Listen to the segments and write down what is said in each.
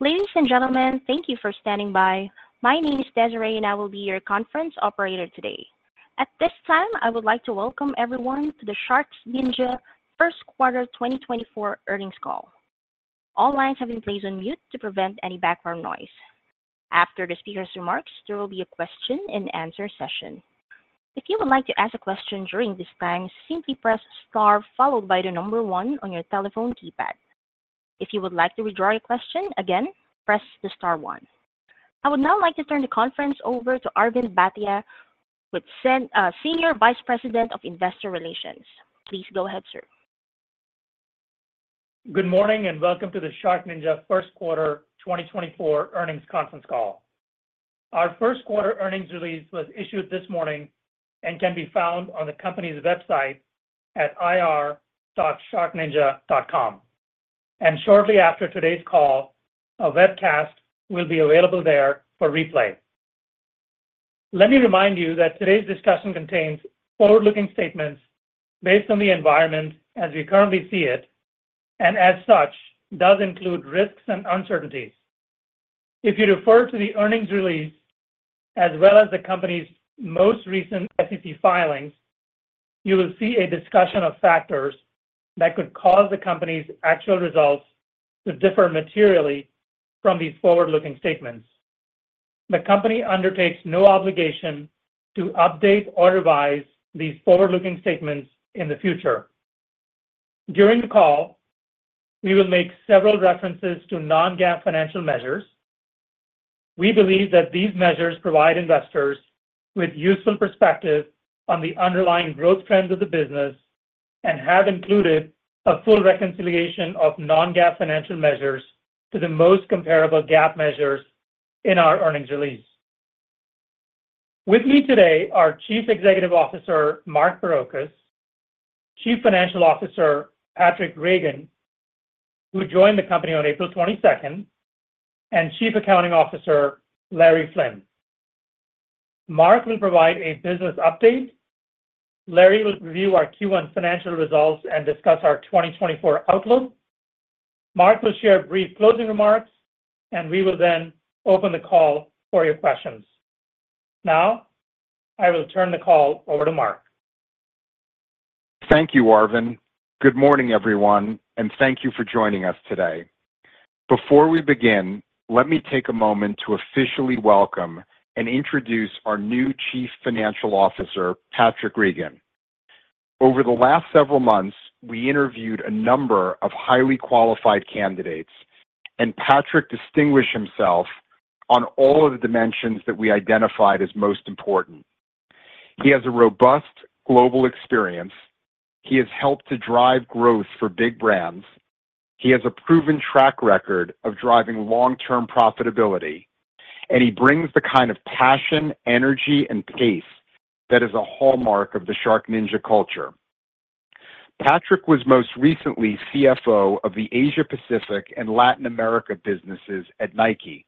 Ladies and gentlemen, thank you for standing by. My name is Desiree, and I will be your conference operator today. At this time, I would like to welcome everyone to the SharkNinja First Quarter 2024 Earnings Call. All lines have been placed on mute to prevent any background noise. After the speaker's remarks, there will be a question-and-answer session. If you would like to ask a question during this time, simply press Star followed by the number one on your telephone keypad. If you would like to withdraw your question, again, press the star one. I would now like to turn the conference over to Arvind Bhatia, Senior Vice President of Investor Relations. Please go ahead, sir. Good morning, and welcome to the SharkNinja First Quarter 2024 Earnings Conference Call. Our first quarter earnings release was issued this morning and can be found on the company's website at ir.sharkninja.com. Shortly after today's call, a webcast will be available there for replay. Let me remind you that today's discussion contains forward-looking statements based on the environment as we currently see it, and as such, does include risks and uncertainties. If you refer to the earnings release, as well as the company's most recent SEC filings, you will see a discussion of factors that could cause the company's actual results to differ materially from these forward-looking statements. The company undertakes no obligation to update or revise these forward-looking statements in the future. During the call, we will make several references to non-GAAP financial measures. We believe that these measures provide investors with useful perspective on the underlying growth trends of the business and have included a full reconciliation of non-GAAP financial measures to the most comparable GAAP measures in our earnings release. With me today are Chief Executive Officer, Mark Barrocas; Chief Financial Officer, Patrick Regan, who joined the company on April 22nd; and Chief Accounting Officer, Larry Flynn. Mark will provide a business update. Larry will review our Q1 financial results and discuss our 2024 outlook. Mark will share a brief closing remarks, and we will then open the call for your questions. Now, I will turn the call over to Mark. Thank you, Arvind. Good morning, everyone, and thank you for joining us today. Before we begin, let me take a moment to officially welcome and introduce our new Chief Financial Officer, Patrick Regan. Over the last several months, we interviewed a number of highly qualified candidates, and Patrick distinguished himself on all of the dimensions that we identified as most important. He has a robust global experience, he has helped to drive growth for big brands, he has a proven track record of driving long-term profitability, and he brings the kind of passion, energy, and pace that is a hallmark of the SharkNinja culture. Patrick was most recently CFO of the Asia Pacific and Latin America businesses at Nike,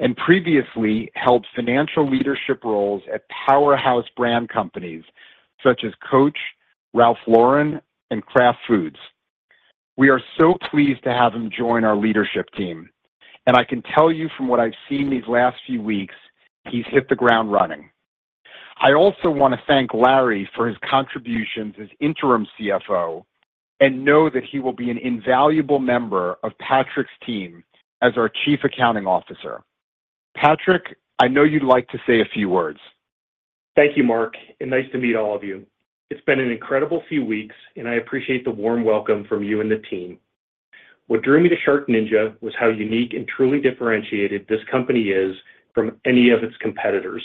and previously held financial leadership roles at powerhouse brand companies such as Coach, Ralph Lauren, and Kraft Foods. We are so pleased to have him join our leadership team, and I can tell you from what I've seen these last few weeks, he's hit the ground running. I also want to thank Larry for his contributions as interim CFO, and know that he will be an invaluable member of Patrick's team as our Chief Accounting Officer. Patrick, I know you'd like to say a few words. Thank you, Mark, and nice to meet all of you. It's been an incredible few weeks, and I appreciate the warm welcome from you and the team. What drew me to SharkNinja was how unique and truly differentiated this company is from any of its competitors.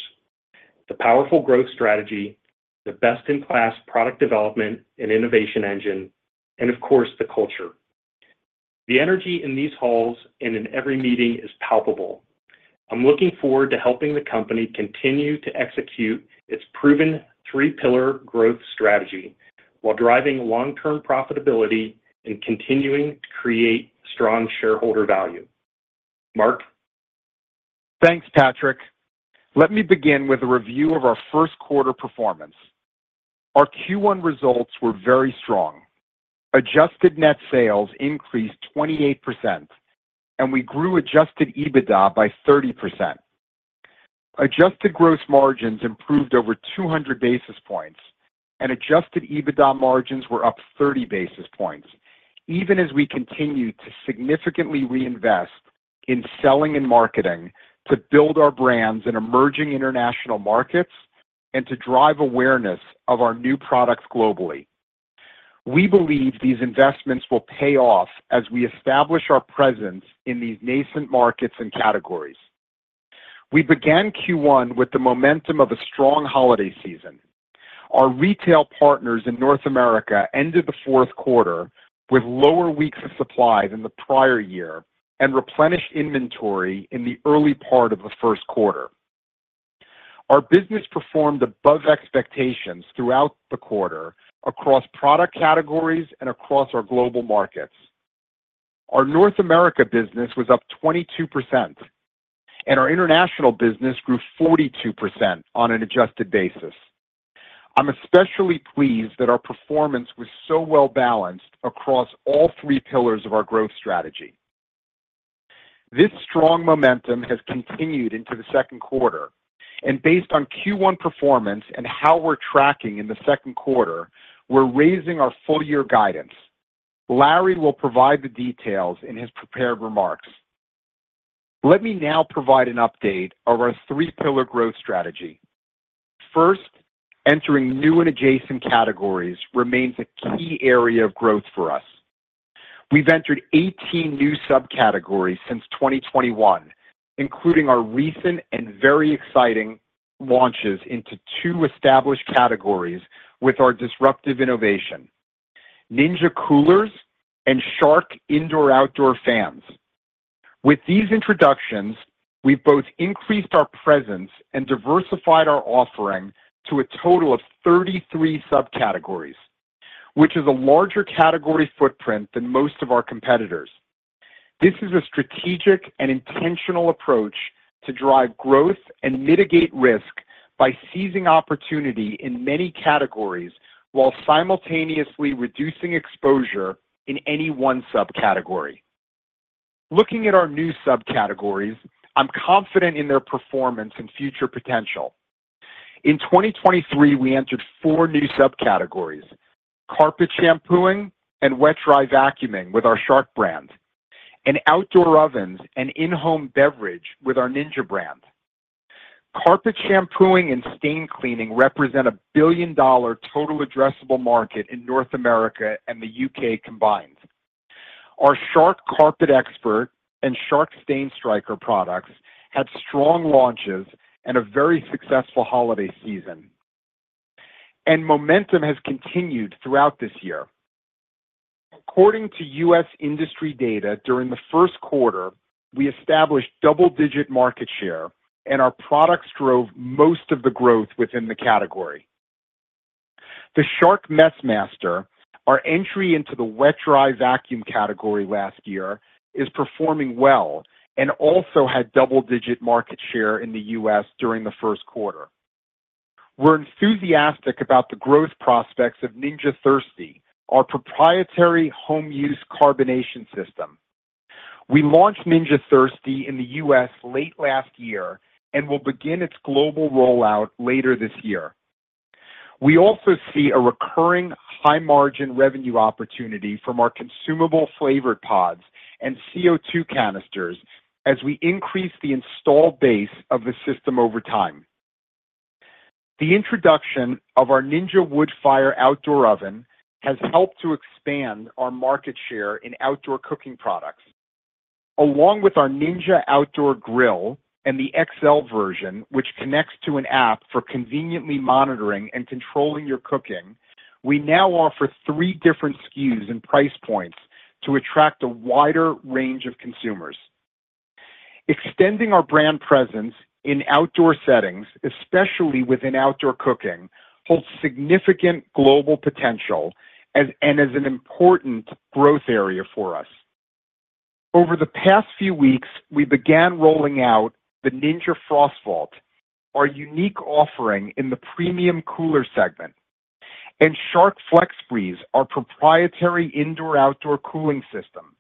The powerful growth strategy, the best-in-class product development and innovation engine, and of course, the culture. The energy in these halls and in every meeting is palpable. I'm looking forward to helping the company continue to execute its proven three-pillar growth strategy while driving long-term profitability and continuing to create strong shareholder value. Mark? Thanks, Patrick. Let me begin with a review of our first quarter performance. Our Q1 results were very strong. Adjusted Net Sales increased 28%, and we grew Adjusted EBITDA by 30%. Adjusted Gross Margins improved over 200 basis points, and Adjusted EBITDA margins were up 30 basis points, even as we continued to significantly reinvest in selling and marketing to build our brands in emerging international markets and to drive awareness of our new products globally. We believe these investments will pay off as we establish our presence in these nascent markets and categories. We began Q1 with the momentum of a strong holiday season. Our retail partners in North America ended the fourth quarter with lower weeks of supply than the prior year and replenished inventory in the early part of the first quarter. Our business performed above expectations throughout the quarter across product categories and across our global markets. Our North America business was up 22%, and our international business grew 42% on an adjusted basis. I'm especially pleased that our performance was so well-balanced across all three pillars of our growth strategy. This strong momentum has continued into the second quarter, and based on Q1 performance and how we're tracking in the second quarter, we're raising our full year guidance. Larry will provide the details in his prepared remarks. Let me now provide an update of our three-pillar growth strategy. First, entering new and adjacent categories remains a key area of growth for us. We've entered 18 new subcategories since 2021, including our recent and very exciting launches into 2 established categories with our disruptive innovation: Ninja coolers and Shark indoor/outdoor fans. With these introductions, we've both increased our presence and diversified our offering to a total of 33 subcategories, which is a larger category footprint than most of our competitors. This is a strategic and intentional approach to drive growth and mitigate risk by seizing opportunity in many categories, while simultaneously reducing exposure in any one subcategory. Looking at our new subcategories, I'm confident in their performance and future potential. In 2023, we entered 4 new subcategories: carpet shampooing and wet/dry vacuuming with our Shark brand, and outdoor ovens and in-home beverage with our Ninja brand. Carpet shampooing and stain cleaning represent a billion-dollar total addressable market in North America and the U.K. combined. Our Shark CarpetXpert and Shark StainStriker products had strong launches and a very successful holiday season, and momentum has continued throughout this year. According to U.S. industry data, during the first quarter, we established double-digit market share, and our products drove most of the growth within the category. The Shark MessMaster, our entry into the wet/dry vacuum category last year, is performing well and also had double-digit market share in the U.S. during the first quarter. We're enthusiastic about the growth prospects of Ninja Thirsti, our proprietary home use carbonation system. We launched Ninja Thirsti in the U.S. late last year and will begin its global rollout later this year. We also see a recurring high margin revenue opportunity from our consumable flavored pods and CO2 canisters as we increase the installed base of the system over time. The introduction of our Ninja Woodfire Outdoor Oven has helped to expand our market share in outdoor cooking products. Along with our Ninja Outdoor Grill and the XL version, which connects to an app for conveniently monitoring and controlling your cooking, we now offer three different SKUs and price points to attract a wider range of consumers. Extending our brand presence in outdoor settings, especially within outdoor cooking, holds significant global potential and is an important growth area for us. Over the past few weeks, we began rolling out the Ninja FrostVault, our unique offering in the premium cooler segment, and Shark FlexBreeze, our proprietary indoor/outdoor cooling system.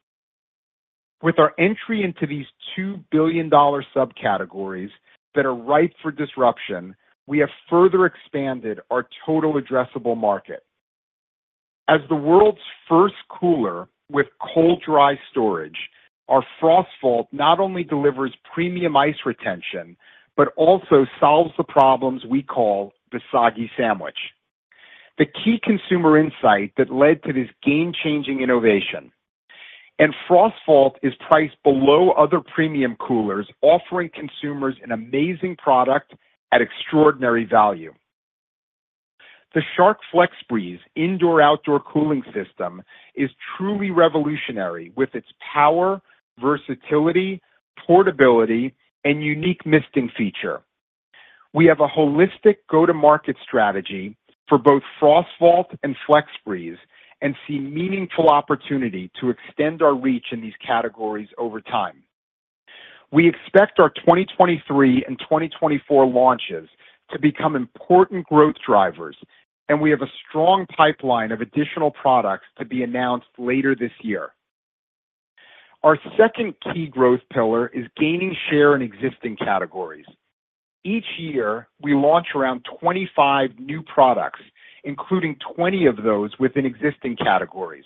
With our entry into these $2 billion subcategories that are ripe for disruption, we have further expanded our total addressable market. As the world's first cooler with cold, dry storage, our FrostVault not only delivers premium ice retention, but also solves the problems we call the soggy sandwich, the key consumer insight that led to this game-changing innovation. FrostVault is priced below other premium coolers, offering consumers an amazing product at extraordinary value. The Shark FlexBreeze indoor/outdoor cooling system is truly revolutionary with its power, versatility, portability, and unique misting feature. We have a holistic go-to-market strategy for both FrostVault and FlexBreeze and see meaningful opportunity to extend our reach in these categories over time. We expect our 2023 and 2024 launches to become important growth drivers, and we have a strong pipeline of additional products to be announced later this year. Our second key growth pillar is gaining share in existing categories. Each year, we launch around 25 new products, including 20 of those within existing categories.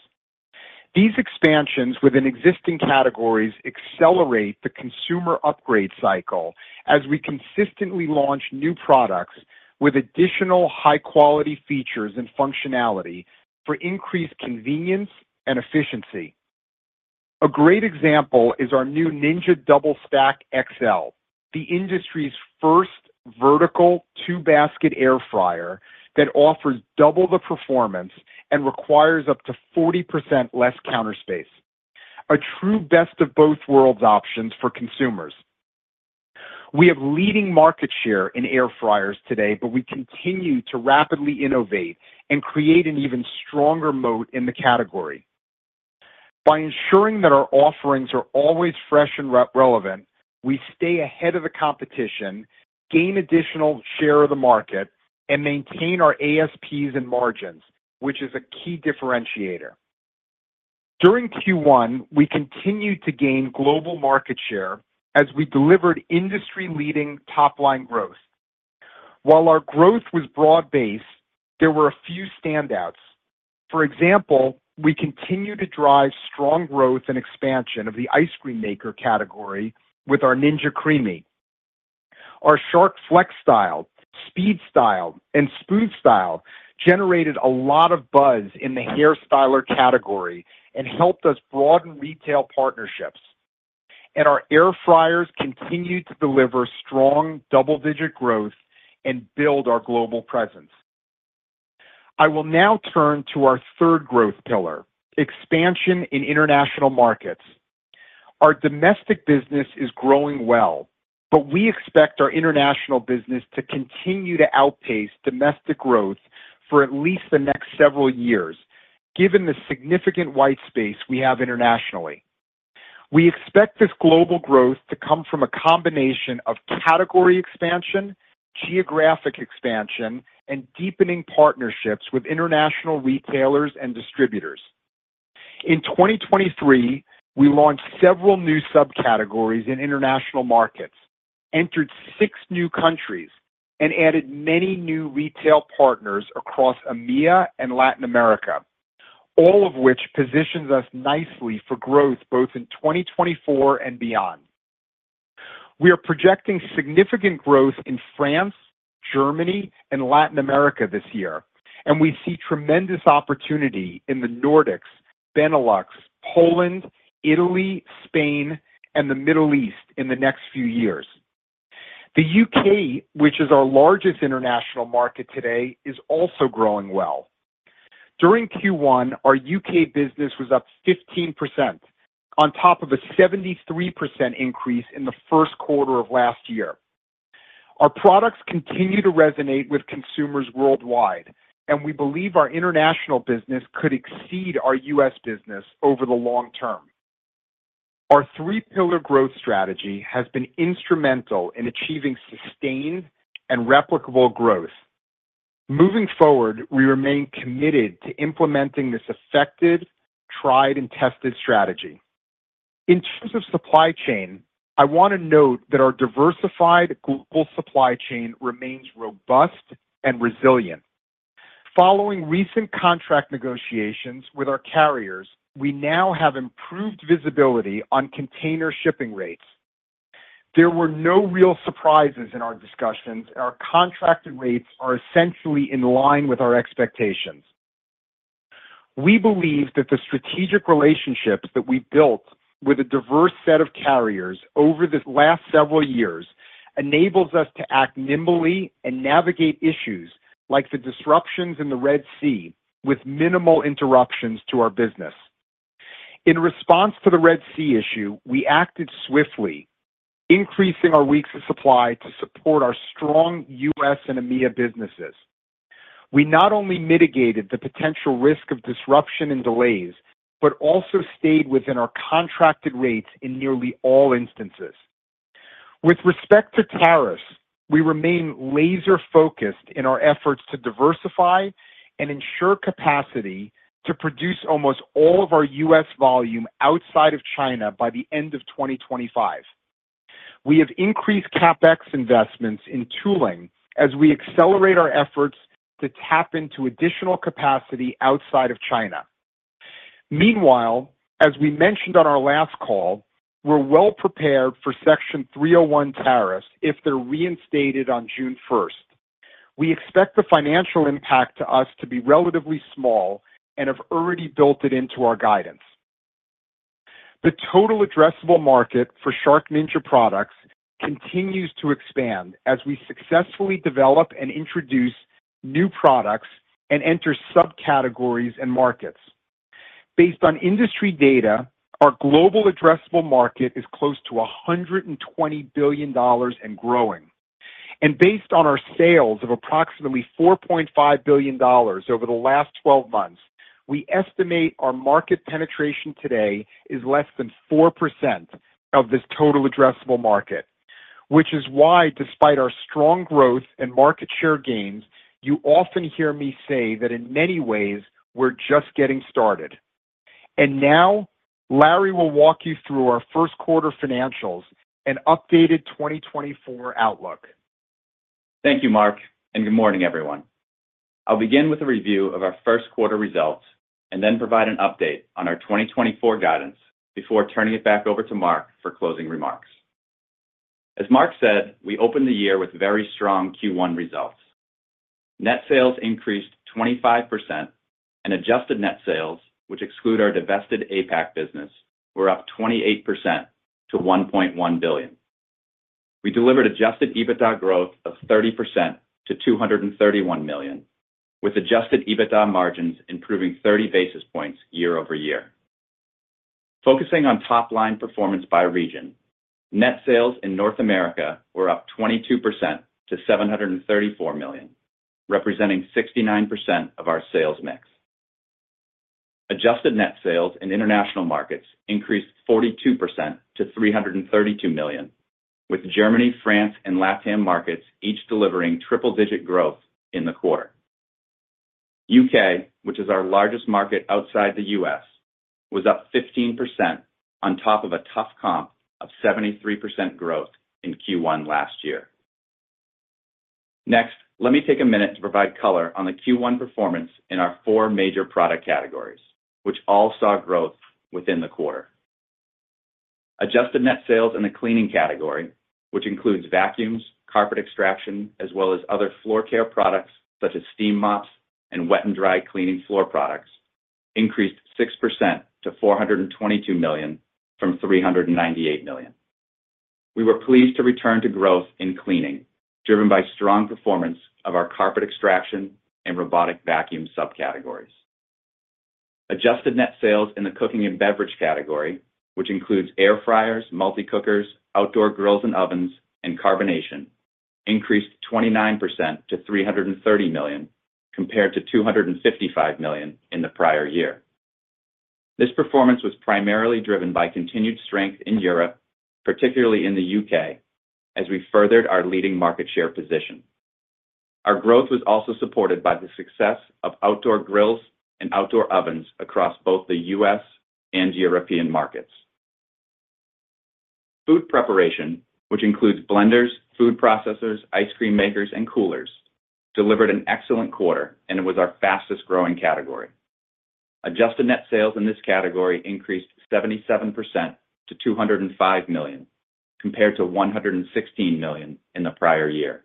These expansions within existing categories accelerate the consumer upgrade cycle as we consistently launch new products with additional high-quality features and functionality for increased convenience and efficiency. A great example is our new Ninja DoubleStack XL, the industry's first vertical two-basket air fryer that offers double the performance and requires up to 40% less counter space, a true best of both worlds options for consumers. We have leading market share in air fryers today, but we continue to rapidly innovate and create an even stronger moat in the category.... By ensuring that our offerings are always fresh and relevant, we stay ahead of the competition, gain additional share of the market, and maintain our ASPs and margins, which is a key differentiator. During Q1, we continued to gain global market share as we delivered industry-leading top-line growth. While our growth was broad-based, there were a few standouts. For example, we continued to drive strong growth and expansion of the ice cream maker category with our Ninja CREAMi. Our Shark FlexStyle, SpeedStyle, and SmoothStyle generated a lot of buzz in the hair styler category and helped us broaden retail partnerships. Our air fryers continued to deliver strong double-digit growth and build our global presence. I will now turn to our third growth pillar: expansion in international markets. Our domestic business is growing well, but we expect our international business to continue to outpace domestic growth for at least the next several years, given the significant white space we have internationally. We expect this global growth to come from a combination of category expansion, geographic expansion, and deepening partnerships with international retailers and distributors. In 2023, we launched several new subcategories in international markets, entered six new countries, and added many new retail partners across EMEA and Latin America, all of which positions us nicely for growth both in 2024 and beyond. We are projecting significant growth in France, Germany, and Latin America this year, and we see tremendous opportunity in the Nordics, Benelux, Poland, Italy, Spain, and the Middle East in the next few years. The U.K., which is our largest international market today, is also growing well. During Q1, our U.K. business was up 15%, on top of a 73% increase in the first quarter of last year. Our products continue to resonate with consumers worldwide, and we believe our international business could exceed our U.S. business over the long term. Our three-pillar growth strategy has been instrumental in achieving sustained and replicable growth. Moving forward, we remain committed to implementing this effective, tried, and tested strategy. In terms of supply chain, I want to note that our diversified global supply chain remains robust and resilient. Following recent contract negotiations with our carriers, we now have improved visibility on container shipping rates. There were no real surprises in our discussions, and our contracted rates are essentially in line with our expectations. We believe that the strategic relationships that we've built with a diverse set of carriers over the last several years enables us to act nimbly and navigate issues like the disruptions in the Red Sea with minimal interruptions to our business. In response to the Red Sea issue, we acted swiftly, increasing our weeks of supply to support our strong U.S. and EMEA businesses. We not only mitigated the potential risk of disruption and delays, but also stayed within our contracted rates in nearly all instances. With respect to tariffs, we remain laser-focused in our efforts to diversify and ensure capacity to produce almost all of our US volume outside of China by the end of 2025. We have increased CapEx investments in tooling as we accelerate our efforts to tap into additional capacity outside of China. Meanwhile, as we mentioned on our last call, we're well prepared for Section 301 tariffs if they're reinstated on June 1. We expect the financial impact to us to be relatively small and have already built it into our guidance. The total addressable market for SharkNinja products continues to expand as we successfully develop and introduce new products and enter subcategories and markets. Based on industry data, our global addressable market is close to $120 billion and growing. Based on our sales of approximately $4.5 billion over the last 12 months, we estimate our market penetration today is less than 4% of this total addressable market, which is why, despite our strong growth and market share gains, you often hear me say that in many ways, we're just getting started. Now, Larry will walk you through our first quarter financials and updated 2024 outlook. Thank you, Mark, and good morning, everyone. I'll begin with a review of our first quarter results and then provide an update on our 2024 guidance before turning it back over to Mark for closing remarks. As Mark said, we opened the year with very strong Q1 results. Net sales increased 25%, and Adjusted Net Sales, which exclude our divested APAC business, were up 28% to $1.1 billion. We delivered Adjusted EBITDA growth of 30% to $231 million, with Adjusted EBITDA margins improving 30 basis points YoY. Focusing on top-line performance by region, net sales in North America were up 22% to $734 million, representing 69% of our sales mix. Adjusted Net Sales in international markets increased 42% to $332 million, with Germany, France, and LatAm markets each delivering triple-digit growth in the quarter. U.K., which is our largest market outside the U.S., was up 15% on top of a tough comp of 73% growth in Q1 last year. Next, let me take a minute to provide color on the Q1 performance in our four major product categories, which all saw growth within the quarter. Adjusted Net Sales in the cleaning category, which includes vacuums, carpet extraction, as well as other floor care products such as steam mops and wet and dry cleaning floor products, increased 6% to $422 million from $398 million. We were pleased to return to growth in cleaning, driven by strong performance of our carpet extraction and robotic vacuum subcategories. Adjusted Net Sales in the cooking and beverage category, which includes air fryers, multi-cookers, outdoor grills and ovens, and carbonation, increased 29% to $330 million, compared to $255 million in the prior year. This performance was primarily driven by continued strength in Europe, particularly in the U.K., as we furthered our leading market share position. Our growth was also supported by the success of outdoor grills and outdoor ovens across both the U.S. and European markets. Food preparation, which includes blenders, food processors, ice cream makers, and coolers, delivered an excellent quarter, and it was our fastest-growing category. Adjusted Net Sales in this category increased 77% to $205 million, compared to $116 million in the prior year.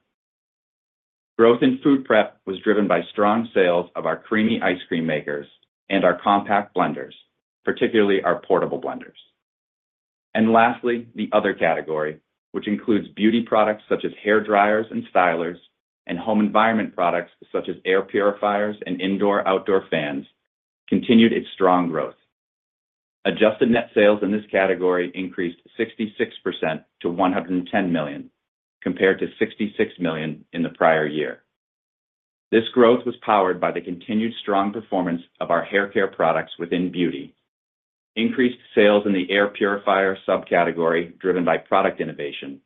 Growth in food prep was driven by strong sales of our CREAMi ice cream makers and our compact blenders, particularly our portable blenders. Lastly, the other category, which includes beauty products such as hair dryers and stylers, and home environment products such as air purifiers and indoor-outdoor fans, continued its strong growth. Adjusted Net Sales in this category increased 66% to $110 million, compared to $66 million in the prior year. This growth was powered by the continued strong performance of our hair care products within beauty. Increased sales in the air purifier subcategory, driven by product innovation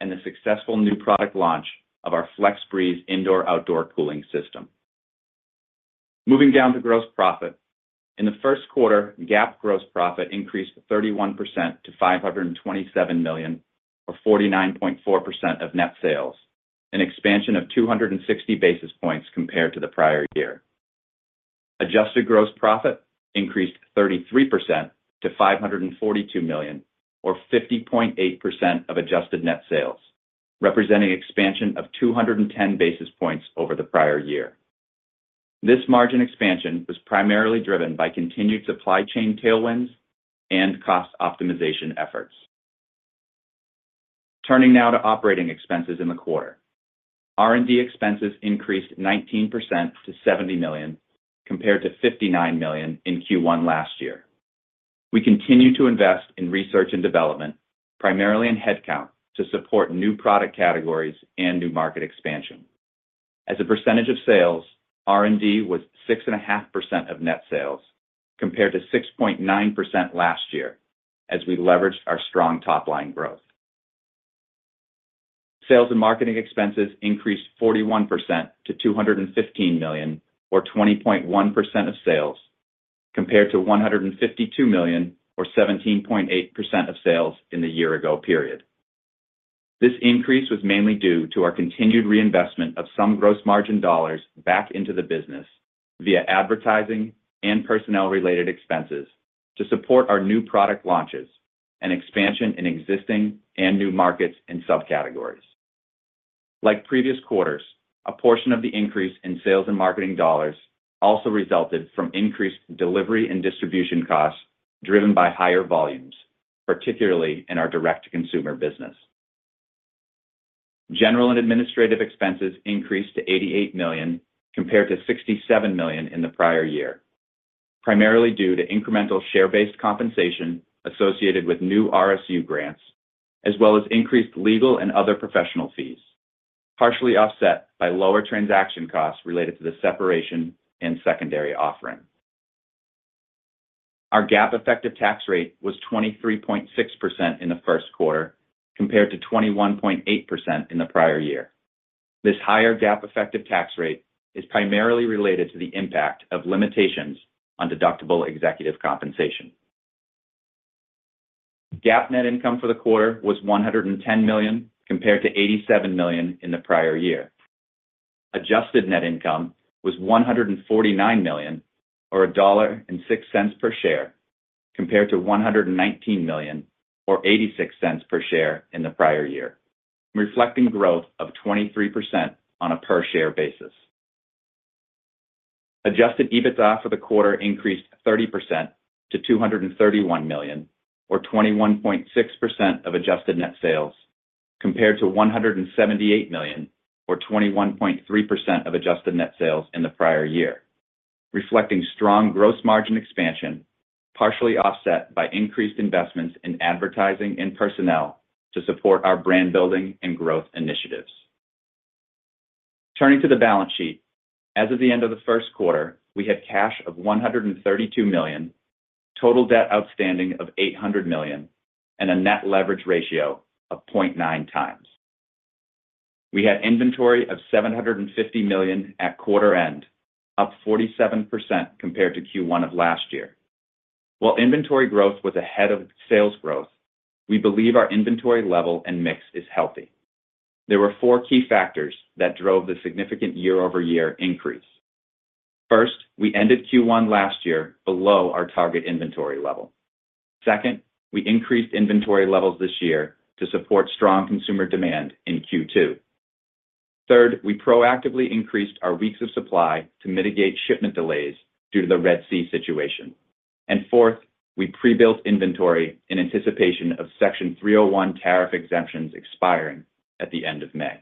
and the successful new product launch of our FlexBreeze indoor-outdoor cooling system. Moving down to gross profit. In the first quarter, GAAP gross profit increased 31% to $527 million, or 49.4% of net sales, an expansion of 260 basis points compared to the prior year. Adjusted Gross Profit increased 33% to $542 million, or 50.8% of Adjusted Net Sales, representing expansion of 210 basis points over the prior year. This margin expansion was primarily driven by continued supply chain tailwinds and cost optimization efforts. Turning now to operating expenses in the quarter. R&D expenses increased 19% to $70 million, compared to $59 million in Q1 last year. We continue to invest in research and development, primarily in headcount, to support new product categories and new market expansion. As a percentage of sales, R&D was 6.5% of net sales, compared to 6.9% last year as we leveraged our strong top-line growth. Sales and marketing expenses increased 41% to $215 million or 20.1% of sales, compared to $152 million or 17.8% of sales in the year ago period. This increase was mainly due to our continued reinvestment of some gross margin dollars back into the business via advertising and personnel-related expenses to support our new product launches and expansion in existing and new markets and subcategories. Like previous quarters, a portion of the increase in sales and marketing dollars also resulted from increased delivery and distribution costs driven by higher volumes, particularly in our direct-to-consumer business. General and administrative expenses increased to $88 million, compared to $67 million in the prior year, primarily due to incremental share-based compensation associated with new RSU grants, as well as increased legal and other professional fees, partially offset by lower transaction costs related to the separation and secondary offering. Our GAAP effective tax rate was 23.6% in the first quarter, compared to 21.8% in the prior year. This higher GAAP effective tax rate is primarily related to the impact of limitations on deductible executive compensation. GAAP net income for the quarter was $110 million, compared to $87 million in the prior year. Adjusted Net Income was $149 million, or $1.06 per share, compared to $119 million or $0.86 per share in the prior year, reflecting growth of 23% on a per-share basis. Adjusted EBITDA for the quarter increased 30% to $231 million or 21.6% of Adjusted Net Sales, compared to $178 million or 21.3% of Adjusted Net Sales in the prior year... reflecting strong gross margin expansion, partially offset by increased investments in advertising and personnel to support our brand building and growth initiatives. Turning to the balance sheet, as of the end of the first quarter, we had cash of $132 million, total debt outstanding of $800 million, and a net leverage ratio of 0.9 times. We had inventory of $750 million at quarter end, up 47% compared to Q1 of last year. While inventory growth was ahead of sales growth, we believe our inventory level and mix is healthy. There were four key factors that drove the significant YoY increase. First, we ended Q1 last year below our target inventory level. Second, we increased inventory levels this year to support strong consumer demand in Q2. Third, we proactively increased our weeks of supply to mitigate shipment delays due to the Red Sea situation. And fourth, we pre-built inventory in anticipation of Section 301 tariff exemptions expiring at the end of May.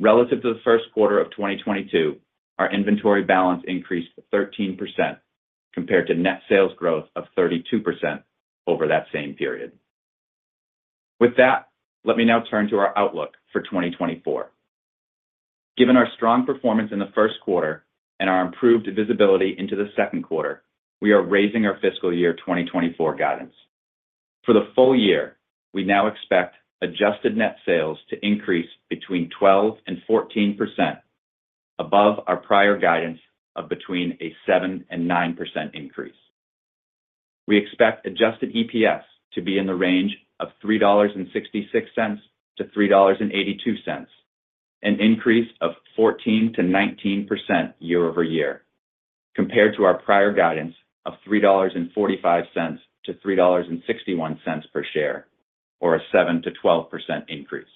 Relative to the first quarter of 2022, our inventory balance increased 13% compared to net sales growth of 32% over that same period. With that, let me now turn to our outlook for 2024. Given our strong performance in the first quarter and our improved visibility into the second quarter, we are raising our fiscal year 2024 guidance. For the full year, we now expect Adjusted Net Sales to increase between 12%-14% above our prior guidance of between a 7%-9% increase. We expect Adjusted EPS to be in the range of $3.66-$3.82, an increase of 14%-19% YoY, compared to our prior guidance of $3.45-$3.61 per share, or a 7%-12% increase.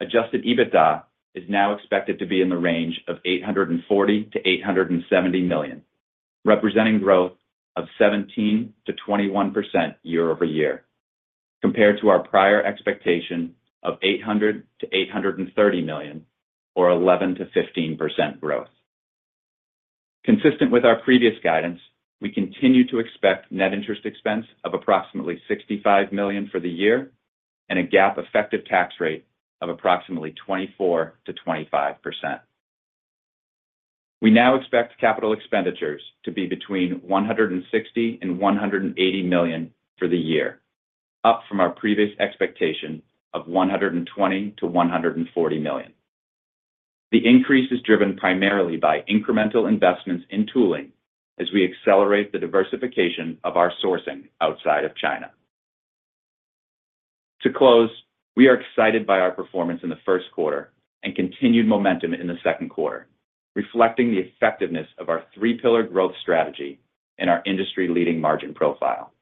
Adjusted EBITDA is now expected to be in the range of $840 million-$870 million, representing growth of 17%-21% YoY, compared to our prior expectation of $800 million-$830 million, or 11%-15% growth. Consistent with our previous guidance, we continue to expect net interest expense of approximately $65 million for the year and a GAAP effective tax rate of approximately 24%-25%. We now expect capital expenditures to be between $160 million and $180 million for the year, up from our previous expectation of $120 million-$140 million. The increase is driven primarily by incremental investments in tooling as we accelerate the diversification of our sourcing outside of China. To close, we are excited by our performance in the first quarter and continued momentum in the second quarter, reflecting the effectiveness of our three-pillared growth strategy and our industry-leading margin profile.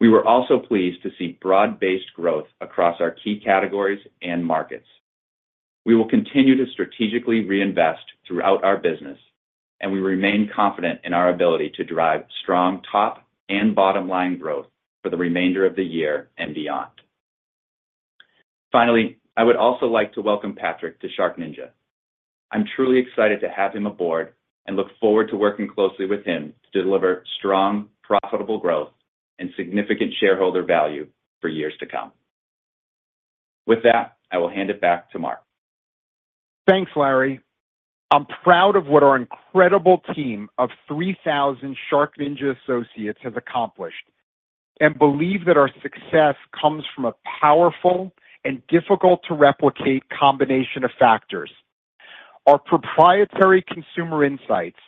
We were also pleased to see broad-based growth across our key categories and markets. We will continue to strategically reinvest throughout our business, and we remain confident in our ability to drive strong top and bottom line growth for the remainder of the year and beyond. Finally, I would also like to welcome Patrick to SharkNinja. I'm truly excited to have him aboard and look forward to working closely with him to deliver strong, profitable growth and significant shareholder value for years to come. With that, I will hand it back to Mark. Thanks, Larry. I'm proud of what our incredible team of 3,000 SharkNinja associates has accomplished and believe that our success comes from a powerful and difficult-to-replicate combination of factors. Our proprietary consumer insights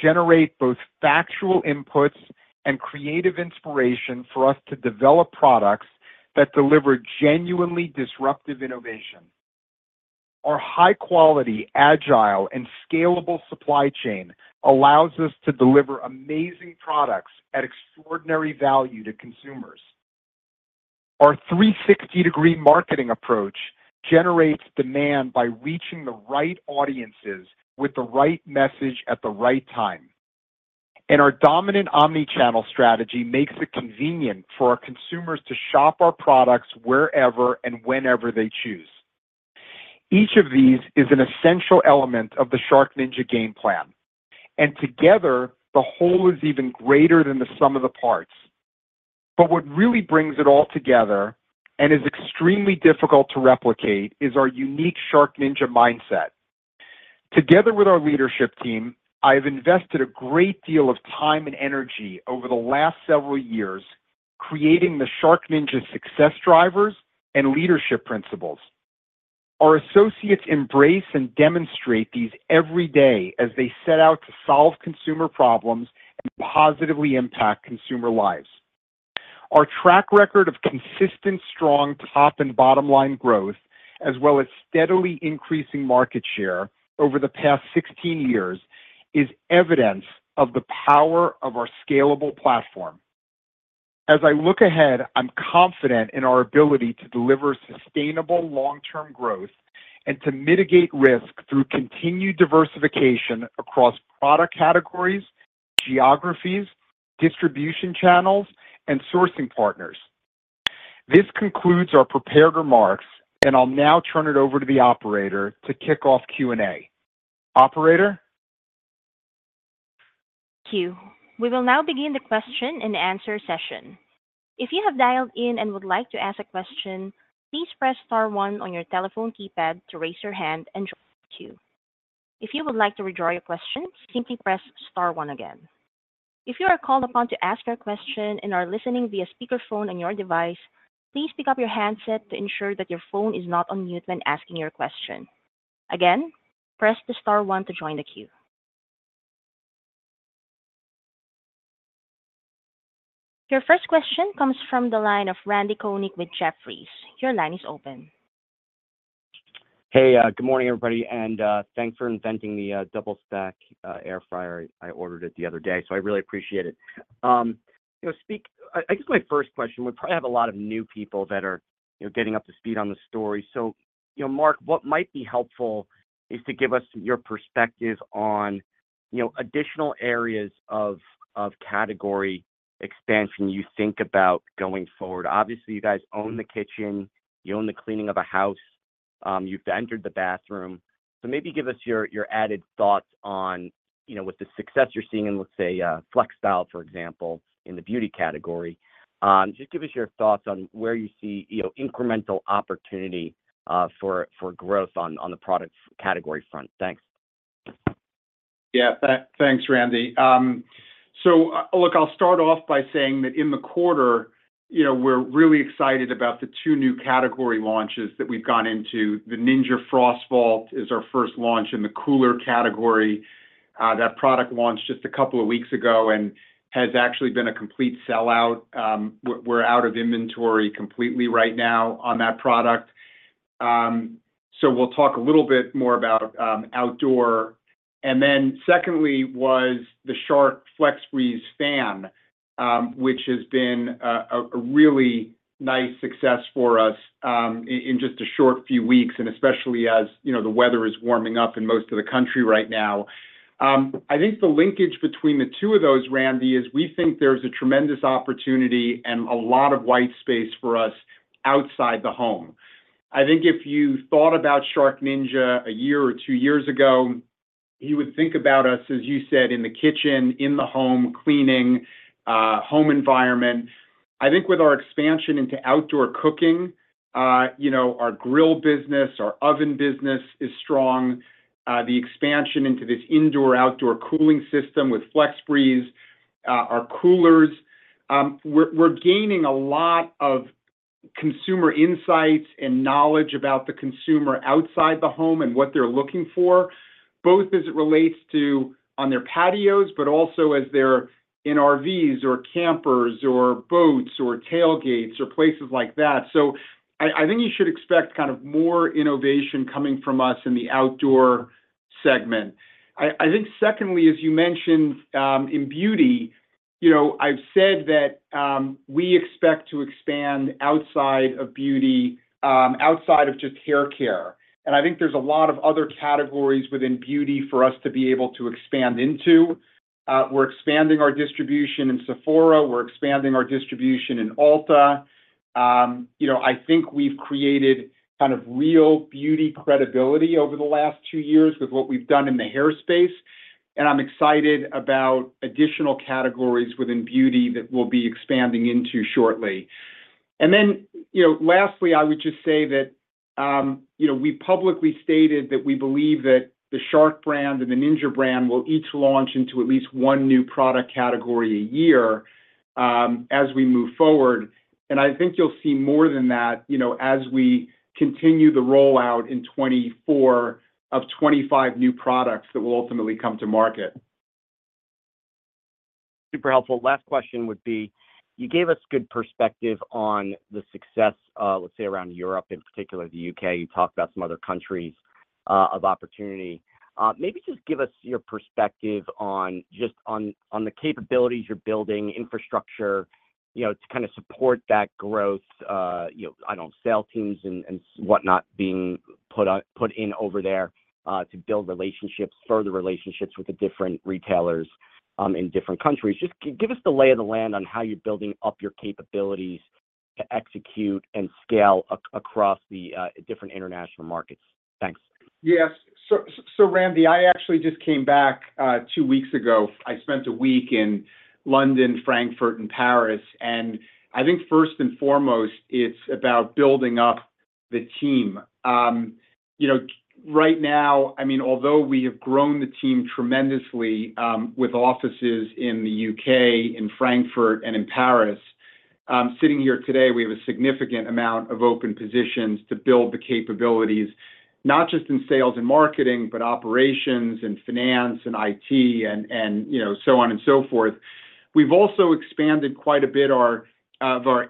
generate both factual inputs and creative inspiration for us to develop products that deliver genuinely disruptive innovation. Our high quality, agile, and scalable supply chain allows us to deliver amazing products at extraordinary value to consumers. Our 360-degree marketing approach generates demand by reaching the right audiences with the right message at the right time. And our dominant omni-channel strategy makes it convenient for our consumers to shop our products wherever and whenever they choose. Each of these is an essential element of the SharkNinja game plan, and together, the whole is even greater than the sum of the parts. But what really brings it all together and is extremely difficult to replicate is our unique SharkNinja mindset. Together with our leadership team, I have invested a great deal of time and energy over the last several years creating the SharkNinja success drivers and leadership principles. Our associates embrace and demonstrate these every day as they set out to solve consumer problems and positively impact consumer lives. Our track record of consistent, strong top and bottom line growth, as well as steadily increasing market share over the past 16 years, is evidence of the power of our scalable platform. As I look ahead, I'm confident in our ability to deliver sustainable long-term growth and to mitigate risk through continued diversification across product categories, geographies, distribution channels, and sourcing partners.... This concludes our prepared remarks, and I'll now turn it over to the operator to kick off Q&A. Operator? Thank you. We will now begin the question-and-answer session. If you have dialed in and would like to ask a question, please press star one on your telephone keypad to raise your hand and join the queue. If you would like to withdraw your question, simply press star one again. If you are called upon to ask your question and are listening via speakerphone on your device, please pick up your handset to ensure that your phone is not on mute when asking your question. Again, press the star one to join the queue. Your first question comes from the line of Randal Konik with Jefferies. Your line is open. Hey, good morning, everybody, and thanks for inventing the DoubleStack air fryer. I ordered it the other day, so I really appreciate it. I guess my first question, we probably have a lot of new people that are getting up to speed on the story. So, Mark, what might be helpful is to give us your perspective on additional areas of category expansion you think about going forward. Obviously, you guys own the kitchen, you own the cleaning of a house, you've entered the bathroom. So maybe give us your, your added thoughts on, you know, with the success you're seeing in, let's say, FlexStyle, for example, in the beauty category, just give us your thoughts on where you see, you know, incremental opportunity, for, for growth on, on the product category front. Thanks. Yeah. Thanks, Randal. So, look, I'll start off by saying that in the quarter, you know, we're really excited about the two new category launches that we've gone into. The Ninja FrostVault is our first launch in the cooler category. That product launched just a couple of weeks ago and has actually been a complete sellout. We're out of inventory completely right now on that product. So we'll talk a little bit more about outdoor. And then secondly, was the Shark FlexBreeze Fan, which has been a really nice success for us, in just a short few weeks, and especially as, you know, the weather is warming up in most of the country right now. I think the linkage between the two of those, Randal, is we think there's a tremendous opportunity and a lot of white space for us outside the home. I think if you thought about SharkNinja a year or two years ago, you would think about us, as you said, in the kitchen, in the home, cleaning, home environment. I think with our expansion into outdoor cooking, you know, our grill business, our oven business is strong. The expansion into this indoor-outdoor cooling system with FlexBreeze, our coolers, we're, we're gaining a lot of consumer insights and knowledge about the consumer outside the home and what they're looking for, both as it relates to on their patios, but also as they're in RVs or campers or boats or tailgates or places like that. So I think you should expect kind of more innovation coming from us in the outdoor segment. I think secondly, as you mentioned, in beauty, you know, I've said that, we expect to expand outside of beauty, outside of just hair care. And I think there's a lot of other categories within beauty for us to be able to expand into. We're expanding our distribution in Sephora, we're expanding our distribution in Ulta. You know, I think we've created kind of real beauty credibility over the last two years with what we've done in the hair space, and I'm excited about additional categories within beauty that we'll be expanding into shortly. Then, you know, lastly, I would just say that, you know, we publicly stated that we believe that the Shark brand and the Ninja brand will each launch into at least one new product category a year, as we move forward. I think you'll see more than that, you know, as we continue the rollout in 2024 of 25 new products that will ultimately come to market. Super helpful. Last question would be: You gave us good perspective on the success of, let's say, around Europe, in particular, the U.K. You talked about some other countries of opportunity. Maybe just give us your perspective on, just on the capabilities you're building, infrastructure, you know, to kind of support that growth, you know, I know sales teams and whatnot being put in over there to build relationships, further relationships with the different retailers in different countries. Just give us the lay of the land on how you're building up your capabilities to execute and scale across the different international markets. Thanks. Yes. So, Randal, I actually just came back two weeks ago. I spent a week in London, Frankfurt, and Paris, and I think first and foremost, it's about building up the team. You know, right now, I mean, although we have grown the team tremendously, with offices in the U.K., in Frankfurt, and in Paris, sitting here today, we have a significant amount of open positions to build the capabilities, not just in sales and marketing, but operations and finance and IT and, you know, so on and so forth. We've also expanded quite a bit our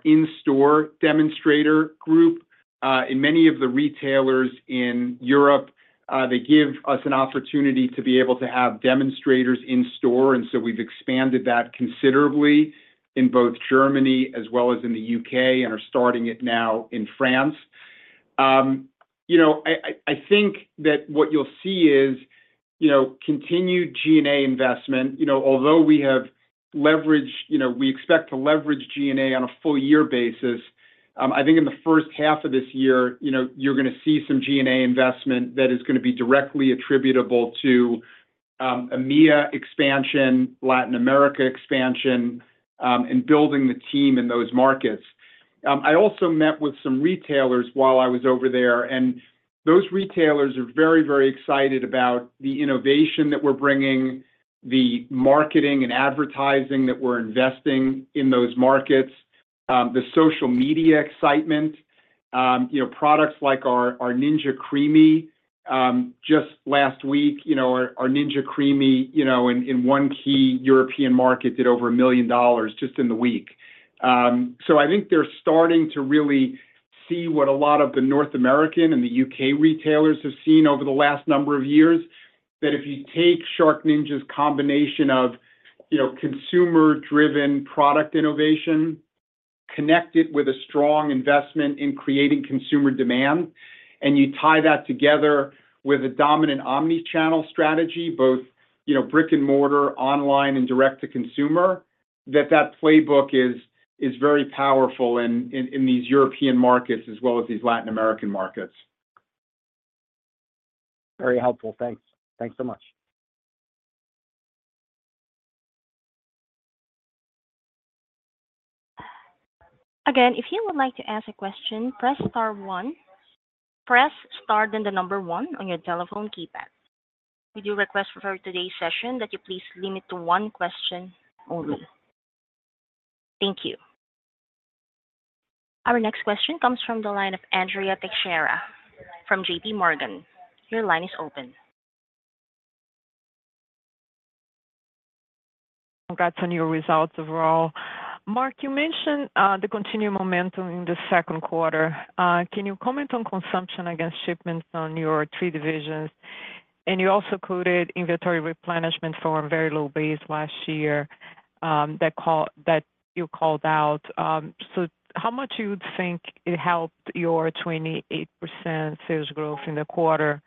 in-store demonstrator group. In many of the retailers in Europe, they give us an opportunity to be able to have demonstrators in-store, and so we've expanded that considerably in both Germany as well as in the U.K., and are starting it now in France. You know, I think that what you'll see is, you know, continued G&A investment. You know, although we have leveraged, you know, we expect to leverage G&A on a full year basis, I think in the first half of this year, you know, you're gonna see some G&A investment that is gonna be directly attributable to, EMEA expansion, Latin America expansion, and building the team in those markets. I also met with some retailers while I was over there, and those retailers are very, very excited about the innovation that we're bringing, the marketing and advertising that we're investing in those markets, the social media excitement, you know, products like our Ninja CREAMi. Just last week, you know, our Ninja CREAMi, you know, in one key European market, did over $1 million just in the week. So, I think they're starting to really see what a lot of the North American and the U.K. retailers have seen over the last number of years, that if you take SharkNinja's combination of, you know, consumer-driven product innovation, connect it with a strong investment in creating consumer demand, and you tie that together with a dominant omni-channel strategy, both, you know, brick and mortar, online, and direct-to-consumer, that that playbook is very powerful in these European markets as well as these Latin American markets. Very helpful. Thanks. Thanks so much. Again, if you would like to ask a question, press star one. Press star, then the number one on your telephone keypad. We do request for today's session that you please limit to one question only. Thank you. Our next question comes from the line of Andrea Teixeira from J.P. Morgan. Your line is open. Congrats on your results overall. Mark, you mentioned the continued momentum in the second quarter. Can you comment on consumption against shipments on your three divisions? And you also quoted inventory replenishment from a very low base last year, that you called out. So how much do you think it helped your 28% sales growth in the quarter?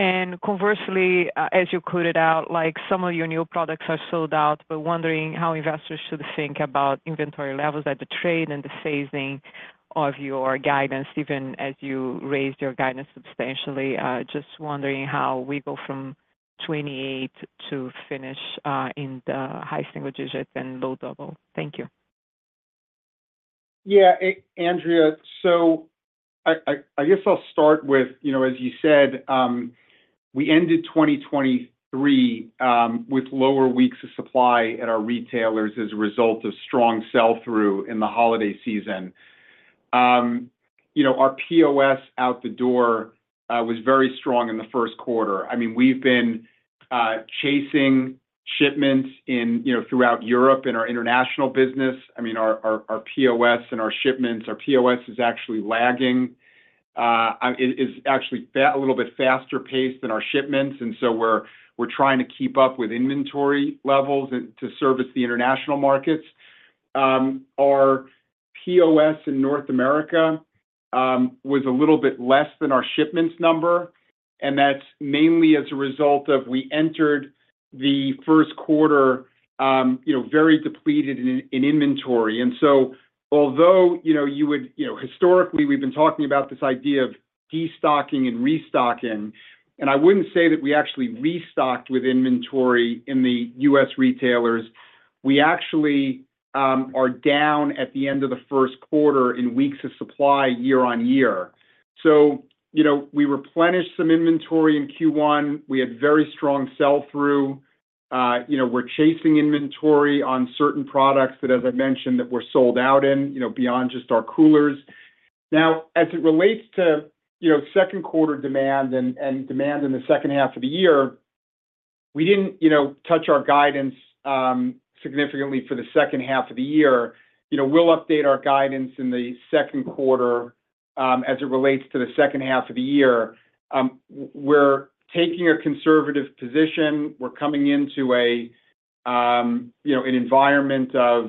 And conversely, as you pointed out, like, some of your new products are sold out, we're wondering how investors should think about inventory levels at the trade and the phasing of your guidance, even as you raised your guidance substantially. Just wondering how we go from 28 to finish in the high single digits and low double. Thank you. Yeah, Andrea, so I guess I'll start with, you know, as you said, we ended 2023 with lower weeks of supply at our retailers as a result of strong sell-through in the holiday season. You know, our POS out the door was very strong in the first quarter. I mean, we've been chasing shipments in, you know, throughout Europe and our international business. I mean, our POS and our shipments, our POS is actually lagging. It is actually a little bit faster paced than our shipments, and so we're trying to keep up with inventory levels and to service the international markets. Our POS in North America was a little bit less than our shipments number, and that's mainly as a result of we entered the first quarter, you know, very depleted in inventory. Although, you know, historically, we've been talking about this idea of destocking and restocking, and I wouldn't say that we actually restocked with inventory in the U.S. retailers. We actually are down at the end of the first quarter in weeks of supply YoY. So, you know, we replenished some inventory in Q1. We had very strong sell-through. You know, we're chasing inventory on certain products that, as I mentioned, we're sold out in, you know, beyond just our coolers. Now, as it relates to, you know, second quarter demand and demand in the second half of the year, we didn't, you know, touch our guidance significantly for the second half of the year. You know, we'll update our guidance in the second quarter as it relates to the second half of the year. We're taking a conservative position. We're coming into a, you know, an environment of,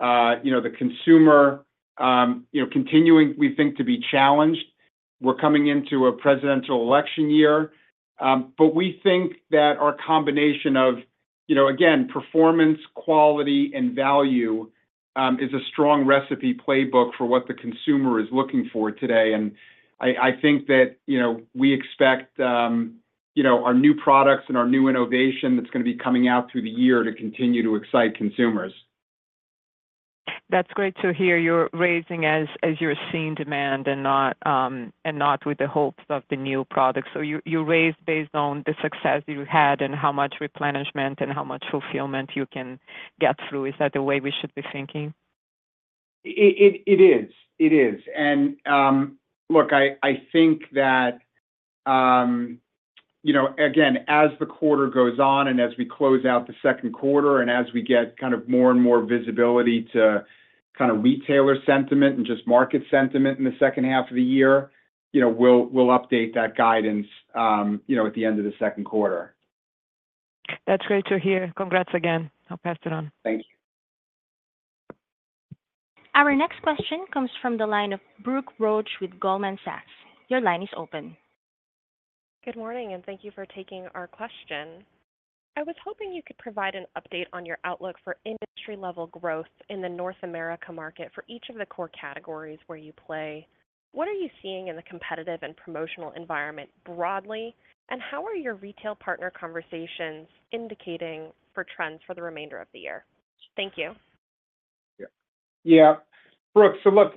you know, the consumer, you know, continuing, we think, to be challenged. We're coming into a presidential election year. But we think that our combination of, you know, again, performance, quality, and value is a strong recipe playbook for what the consumer is looking for today, and I think that, you know, we expect, you know, our new products and our new innovation that's gonna be coming out through the year to continue to excite consumers. That's great to hear. You're raising as you're seeing demand and not with the hopes of the new product. So you raised based on the success you had and how much replenishment and how much fulfillment you can get through. Is that the way we should be thinking? It is, and look, I think that, you know, again, as the quarter goes on and as we close out the second quarter and as we get kind of more and more visibility to kind of retailer sentiment and just market sentiment in the second half of the year, you know, we'll update that guidance, you know, at the end of the second quarter. That's great to hear. Congrats again. I'll pass it on. Thank you. Our next question comes from the line of Brooke Roach with Goldman Sachs. Your line is open. Good morning, and thank you for taking our question. I was hoping you could provide an update on your outlook for industry level growth in the North America market for each of the core categories where you play. What are you seeing in the competitive and promotional environment broadly, and how are your retail partner conversations indicating for trends for the remainder of the year? Thank you. Yeah, Brooke, so look,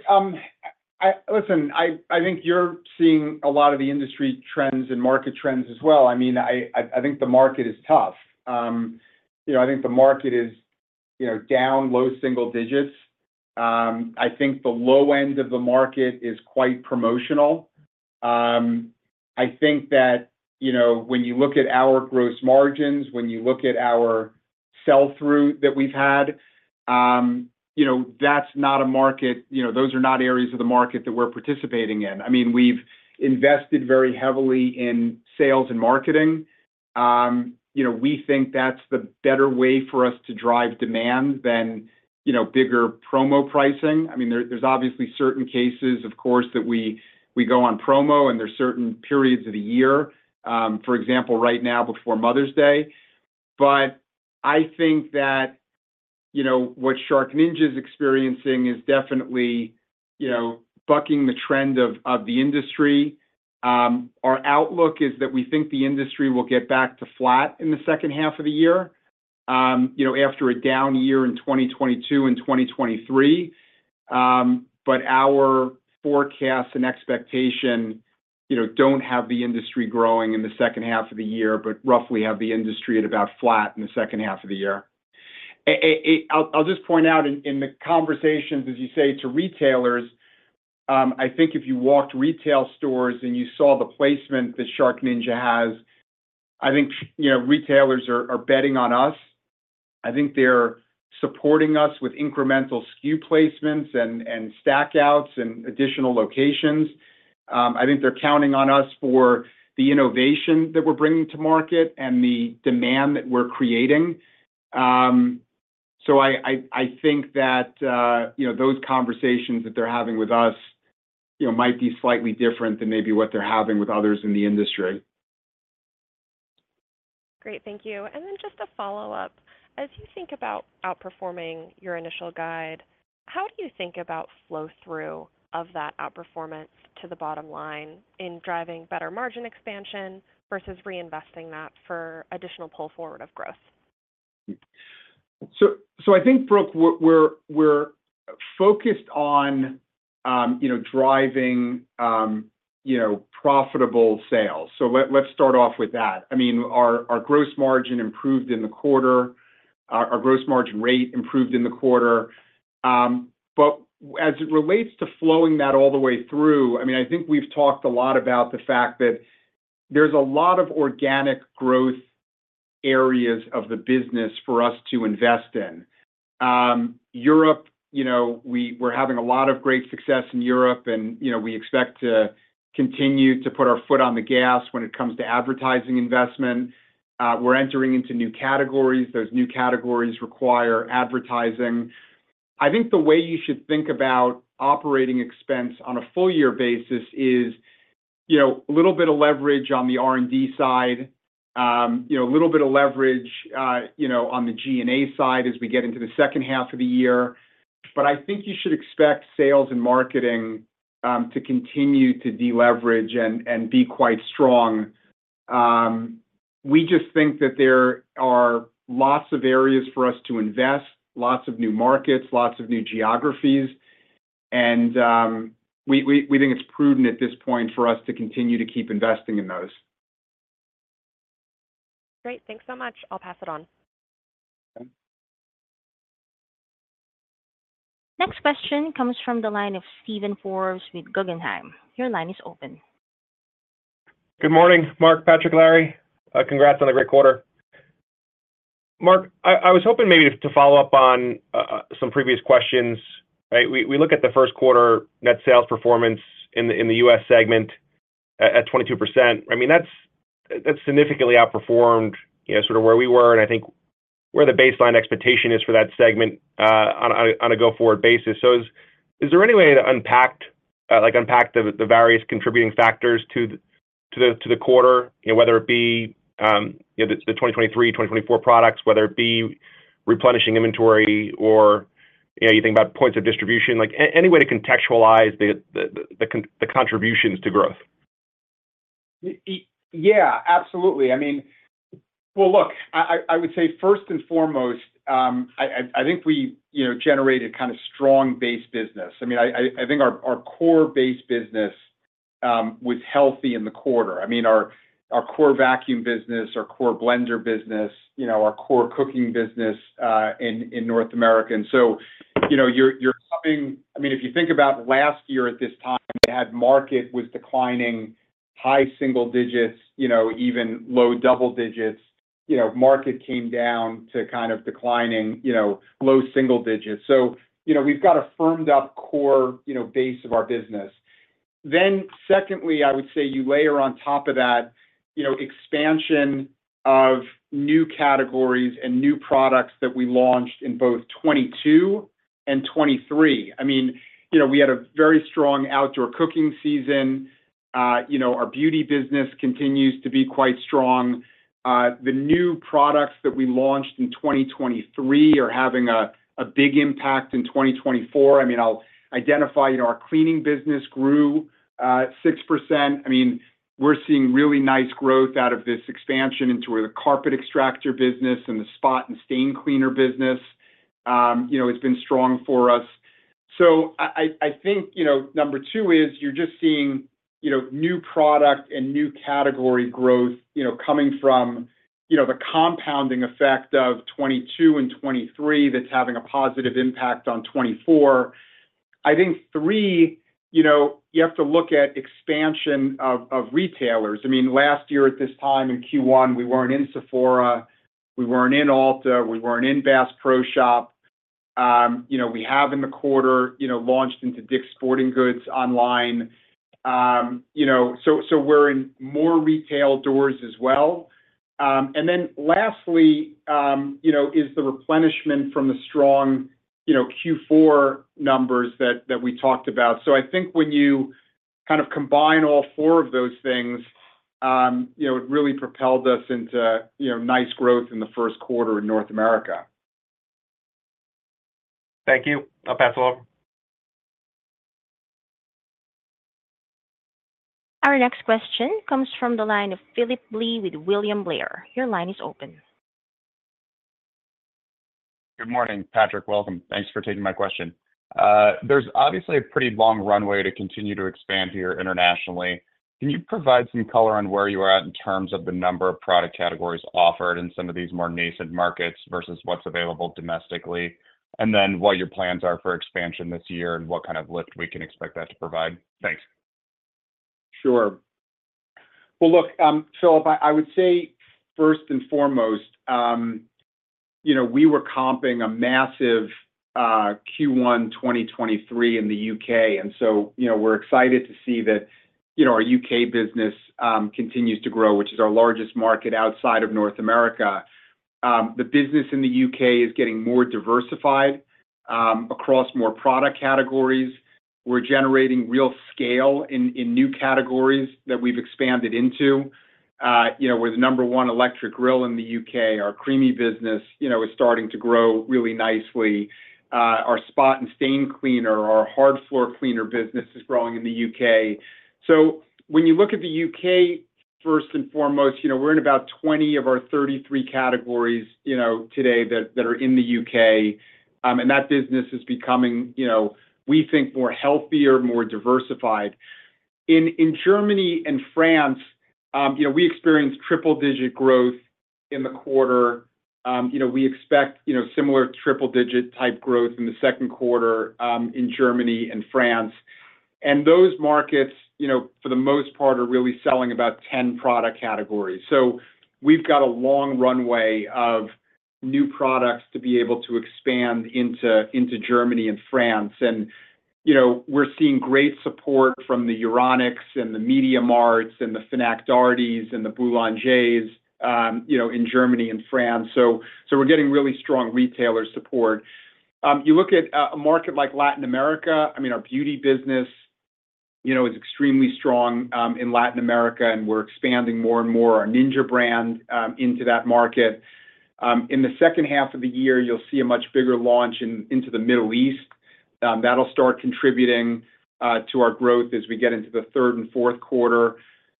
listen, I think you're seeing a lot of the industry trends and market trends as well. I mean, I think the market is tough. You know, I think the market is, you know, down low single digits. I think the low end of the market is quite promotional. I think that, you know, when you look at our gross margins, when you look at our sell-through that we've had, you know, that's not a market. You know, those are not areas of the market that we're participating in. I mean, we've invested very heavily in sales and marketing. You know, we think that's the better way for us to drive demand than, you know, bigger promo pricing. I mean, there, there's obviously certain cases, of course, that we, we go on promo, and there's certain periods of the year, for example, right now before Mother's Day. But I think that, you know, what SharkNinja is experiencing is definitely, you know, bucking the trend of, of the industry. Our outlook is that we think the industry will get back to flat in the second half of the year, you know, after a down year in 2022 and 2023. But our forecast and expectation, you know, don't have the industry growing in the second half of the year, but roughly have the industry at about flat in the second half of the year. I'll just point out, in the conversations, as you say, to retailers, I think if you walked retail stores and you saw the placement that SharkNinja has, I think, you know, retailers are betting on us. I think they're supporting us with incremental SKU placements and stack outs and additional locations. I think they're counting on us for the innovation that we're bringing to market and the demand that we're creating. So I think that, you know, those conversations that they're having with us, you know, might be slightly different than maybe what they're having with others in the industry. Great. Thank you. And then just a follow-up: as you think about outperforming your initial guide, how do you think about flow-through of that outperformance to the bottom line in driving better margin expansion versus reinvesting that for additional pull forward of growth? So, I think, Brooke, we're focused on, you know, driving, you know, profitable sales. So let's start off with that. I mean, our gross margin improved in the quarter, our gross margin rate improved in the quarter. But as it relates to flowing that all the way through, I mean, I think we've talked a lot about the fact that there's a lot of organic growth areas of the business for us to invest in. Europe, you know, we're having a lot of great success in Europe, and, you know, we expect to continue to put our foot on the gas when it comes to advertising investment. We're entering into new categories. Those new categories require advertising. I think the way you should think about operating expense on a full year basis is, you know, a little bit of leverage on the R&D side, you know, a little bit of leverage, you know, on the G&A side as we get into the second half of the year. But I think you should expect sales and marketing to continue to deleverage and be quite strong. We just think that there are lots of areas for us to invest, lots of new markets, lots of new geographies, and we think it's prudent at this point for us to continue to keep investing in those. Great. Thanks so much. I'll pass it on. Okay. Next question comes from the line of Steven Forbes with Guggenheim. Your line is open. Good morning, Mark, Patrick, Larry. Congrats on a great quarter. Mark, I was hoping maybe to follow up on some previous questions, right? We look at the first quarter net sales performance in the U.S. segment at 22%. I mean, that's significantly outperformed, you know, sort of where we were and I think where the baseline expectation is for that segment, on a go-forward basis. So is there any way to unpack, like unpack the various contributing factors to the quarter? You know, whether it be, you know, the 2023, 2024 products, whether it be replenishing inventory or, you know, you think about points of distribution, like any way to contextualize the contributions to growth? Yeah, absolutely. I mean... Well, look, I would say first and foremost, I think we, you know, generated kind of strong base business. I mean, I think our core base business was healthy in the quarter. I mean, our core vacuum business, our core blender business, you know, our core cooking business in North America. And so, you know, you're coming- I mean, if you think about last year at this time, you had market was declining high single digits, you know, even low double digits. You know, market came down to kind of declining, you know, low single digits. So, you know, we've got a firmed up core, you know, base of our business.... Then secondly, I would say you layer on top of that, you know, expansion of new categories and new products that we launched in both 2022 and 2023. I mean, you know, we had a very strong outdoor cooking season. You know, our beauty business continues to be quite strong. The new products that we launched in 2023 are having a big impact in 2024. I mean, I'll identify, you know, our cleaning business grew 6%. I mean, we're seeing really nice growth out of this expansion into the carpet extractor business and the spot and stain cleaner business. You know, it's been strong for us. So I think, you know, number two is you're just seeing, you know, new product and new category growth, you know, coming from, you know, the compounding effect of 2022 and 2023 that's having a positive impact on 2024. I think three, you know, you have to look at expansion of retailers. I mean, last year at this time in Q1, we weren't in Sephora, we weren't in Ulta, we weren't in Bass Pro Shops. You know, we have in the quarter, you know, launched into Dick's Sporting Goods online. You know, so, so we're in more retail doors as well. And then lastly, you know, is the replenishment from the strong, you know, Q4 numbers that we talked about. So I think when you kind of combine all four of those things, you know, it really propelled us into, you know, nice growth in the first quarter in North America. Thank you. I'll pass it along. Our next question comes from the line of Phillip Blee with William Blair. Your line is open. Good morning, Patrick. Welcome. Thanks for taking my question. There's obviously a pretty long runway to continue to expand here internationally. Can you provide some color on where you are at in terms of the number of product categories offered in some of these more nascent markets versus what's available domestically? And then what your plans are for expansion this year and what kind of lift we can expect that to provide? Thanks. Sure. Well, look, so I would say first and foremost, you know, we were comping a massive Q1 2023 in the U.K. And so, you know, we're excited to see that, you know, our U.K. business continues to grow, which is our largest market outside of North America. The business in the U.K. is getting more diversified across more product categories. We're generating real scale in new categories that we've expanded into. You know, we're the number one electric grill in the U.K. Our CREAMi business, you know, is starting to grow really nicely. Our spot and stain cleaner, our hard floor cleaner business is growing in the U.K. So when you look at the U.K., first and foremost, you know, we're in about 20 of our 33 categories, you know, today that are in the U.K., and that business is becoming, you know, we think, more healthier, more diversified. In Germany and France, you know, we experienced triple-digit growth in the quarter. You know, we expect, you know, similar triple-digit-type growth in the second quarter, in Germany and France. And those markets, you know, for the most part, are really selling about 10 product categories. So we've got a long runway of new products to be able to expand into Germany and France. And, you know, we're seeing great support from the Euronics and the MediaMarkts and the Fnac Dartys and the Boulangers, you know, in Germany and France. So we're getting really strong retailer support. You look at a market like Latin America. I mean, our beauty business, you know, is extremely strong in Latin America, and we're expanding more and more our Ninja brand into that market. In the second half of the year, you'll see a much bigger launch into the Middle East. That'll start contributing to our growth as we get into the third and fourth quarter.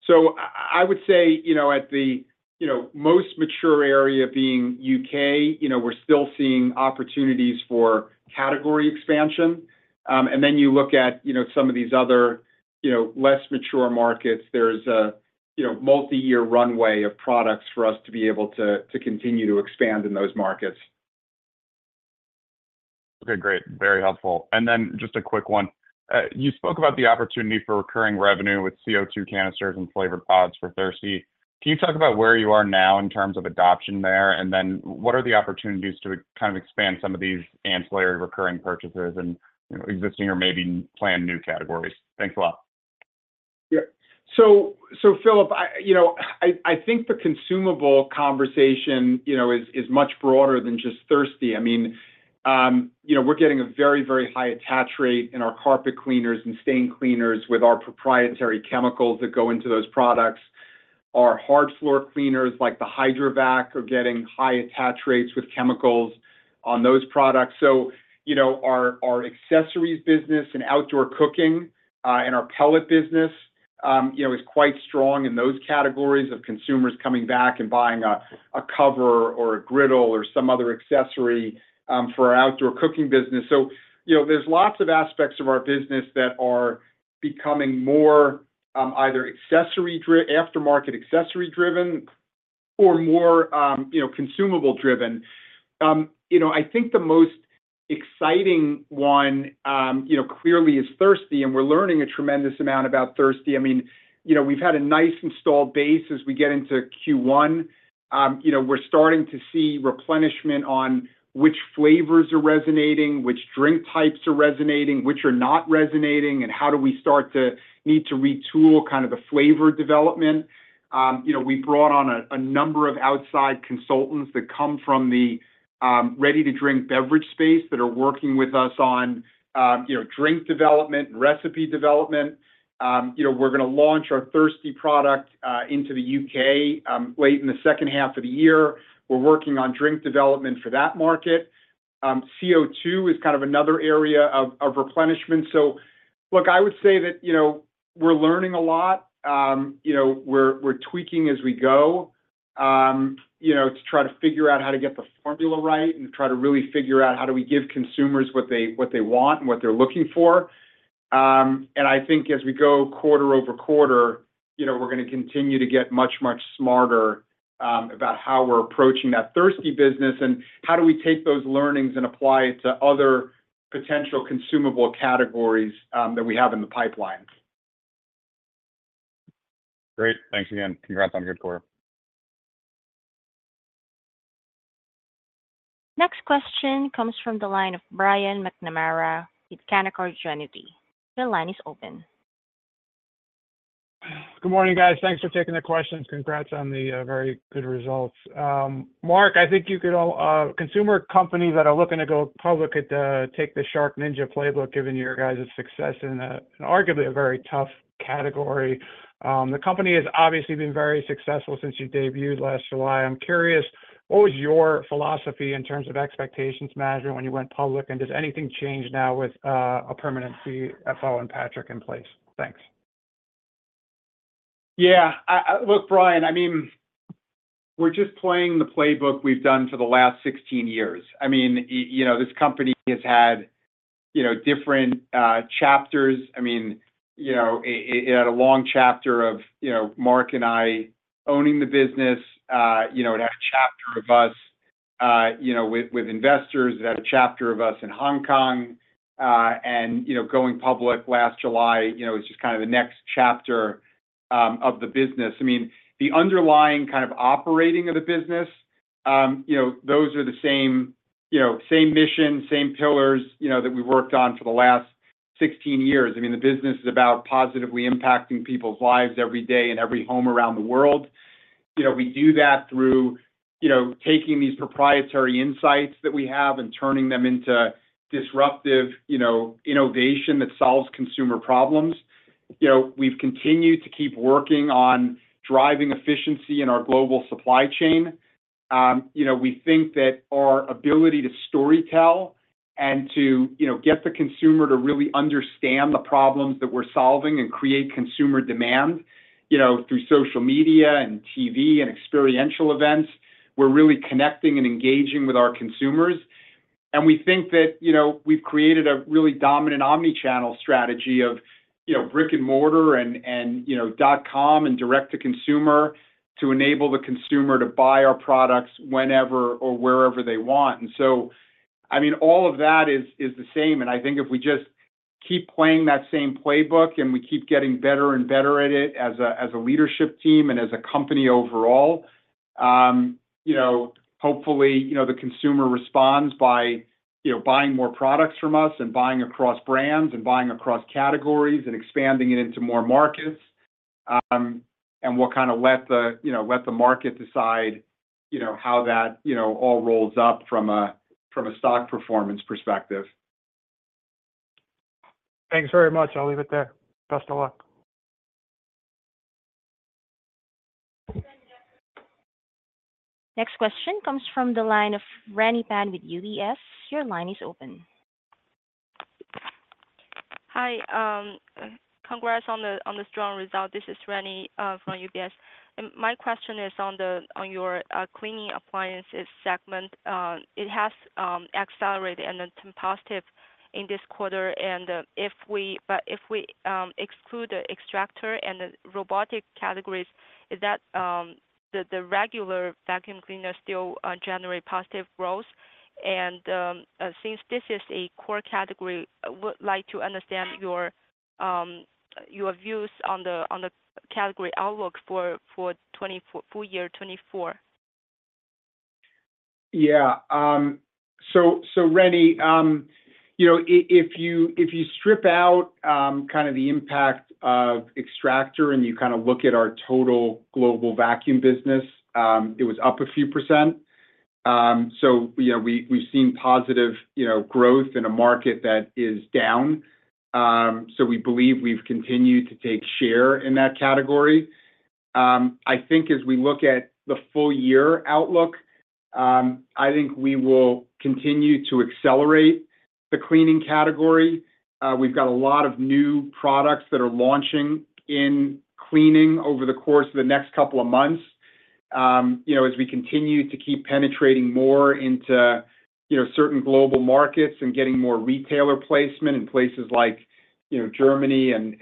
So I would say, you know, at the, you know, most mature area being U.K., you know, we're still seeing opportunities for category expansion. And then you look at, you know, some of these other, you know, less mature markets. There's a, you know, multiyear runway of products for us to be able to, to continue to expand in those markets. Okay, great. Very helpful. And then just a quick one. You spoke about the opportunity for recurring revenue with CO2 canisters and flavored pods for Thirsti. Can you talk about where you are now in terms of adoption there? And then what are the opportunities to kind of expand some of these ancillary recurring purchases and, you know, existing or maybe plan new categories? Thanks a lot. Yeah. So, Phillip, you know, I think the consumable conversation, you know, is much broader than just Thirsti. I mean, you know, we're getting a very, very high attach rate in our carpet cleaners and stain cleaners with our proprietary chemicals that go into those products. Our hard floor cleaners, like the HydroVac, are getting high attach rates with chemicals on those products. So, you know, our accessories business and outdoor cooking, and our pellet business, you know, is quite strong in those categories of consumers coming back and buying a cover or a griddle or some other accessory for our outdoor cooking business. So, you know, there's lots of aspects of our business that are becoming more either aftermarket accessory-driven or more, you know, consumable-driven. You know, I think the most-... exciting one, you know, clearly is Thirsti, and we're learning a tremendous amount about Thirsti. I mean, you know, we've had a nice installed base as we get into Q1. You know, we're starting to see replenishment on which flavors are resonating, which drink types are resonating, which are not resonating, and how do we start to need to retool kind of the flavor development. You know, we brought on a number of outside consultants that come from the ready-to-drink beverage space that are working with us on you know, drink development and recipe development. You know, we're gonna launch our Thirsti product into the U.K. late in the second half of the year. We're working on drink development for that market. CO2 is kind of another area of replenishment. So look, I would say that, you know, we're learning a lot. You know, we're tweaking as we go, you know, to try to figure out how to get the formula right and try to really figure out how do we give consumers what they, what they want and what they're looking for. And I think as we go quarter-over-quarter, you know, we're gonna continue to get much, much smarter about how we're approaching that Thirsti business, and how do we take those learnings and apply it to other potential consumable categories that we have in the pipeline. Great. Thanks again. Congrats on a good quarter. Next question comes from the line of Brian McNamara with Canaccord Genuity. Your line is open. Good morning, guys. Thanks for taking the questions. Congrats on the very good results. Mark, I think all consumer companies that are looking to go public could take the SharkNinja playbook, given your guys' success in an arguably very tough category. The company has obviously been very successful since you debuted last July. I'm curious, what was your philosophy in terms of expectations management when you went public, and does anything change now with a permanent CFO and Patrick in place? Thanks. Yeah, look, Brian, I mean, we're just playing the playbook we've done for the last 16 years. I mean, you know, this company has had, you know, different chapters. I mean, you know, it had a long chapter of, you know, Mark and I owning the business. You know, it had a chapter of us, you know, with investors. It had a chapter of us in Hong Kong, and, you know, going public last July, you know, is just kind of the next chapter of the business. I mean, the underlying kind of operating of the business, you know, those are the same, you know, same mission, same pillars, you know, that we've worked on for the last 16 years. I mean, the business is about positively impacting people's lives every day in every home around the world. You know, we do that through, you know, taking these proprietary insights that we have and turning them into disruptive, you know, innovation that solves consumer problems. You know, we've continued to keep working on driving efficiency in our global supply chain. You know, we think that our ability to storytell and to, you know, get the consumer to really understand the problems that we're solving and create consumer demand, you know, through social media and TV and experiential events, we're really connecting and engaging with our consumers. We think that, you know, we've created a really dominant omni-channel strategy of, you know, brick-and-mortar and, and, you know, dot-com, and direct-to-consumer, to enable the consumer to buy our products whenever or wherever they want. And so, I mean, all of that is, is the same, and I think if we just keep playing that same playbook, and we keep getting better and better at it as a, as a leadership team and as a company overall, you know, hopefully, you know, the consumer responds by, you know, buying more products from us and buying across brands, and buying across categories, and expanding it into more markets. We'll kind of let the, you know, let the market decide, you know, how that, you know, all rolls up from a, from a stock performance perspective. Thanks very much. I'll leave it there. Best of luck. Next question comes from the line of Trini Tan with UBS. Your line is open. Hi, congrats on the strong result. This is Trini from UBS, and my question is on your cleaning appliances segment. It has accelerated and then some positive in this quarter, and if we but if we exclude the extractor and the robotic categories, is the regular vacuum cleaner still generate positive growth? And since this is a core category, I would like to understand your views on the category outlook for 2024, full year 2024. Yeah. So, Trini, you know, if you strip out kind of the impact of extractor, and you kind of look at our total global vacuum business, it was up a few percent. So you know, we've seen positive growth in a market that is down. So we believe we've continued to take share in that category. I think as we look at the full-year outlook, I think we will continue to accelerate the cleaning category. We've got a lot of new products that are launching in cleaning over the course of the next couple of months. You know, as we continue to keep penetrating more into certain global markets and getting more retailer placement in places like... You know, Germany and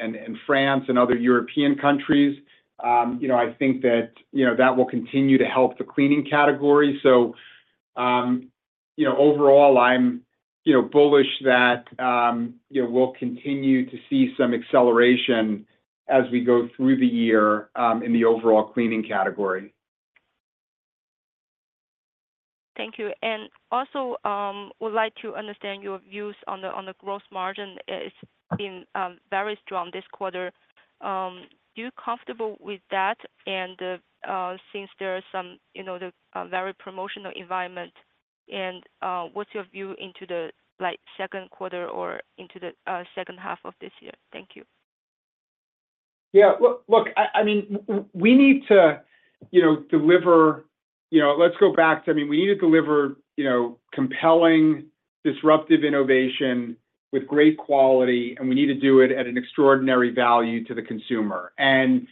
France and other European countries, you know, I think that, you know, that will continue to help the cleaning category. So, you know, overall, I'm, you know, bullish that, you know, we'll continue to see some acceleration as we go through the year, in the overall cleaning category. Thank you. And also, would like to understand your views on the gross margin. It's been very strong this quarter. Are you comfortable with that? And since there are some, you know, a very promotional environment, and what's your view into the, like, second quarter or into the second half of this year? Thank you. Yeah. Look, look, I, I mean, we need to, you know, deliver. You know, let's go back to, I mean, we need to deliver, you know, compelling, disruptive innovation with great quality, and we need to do it at an extraordinary value to the consumer. And,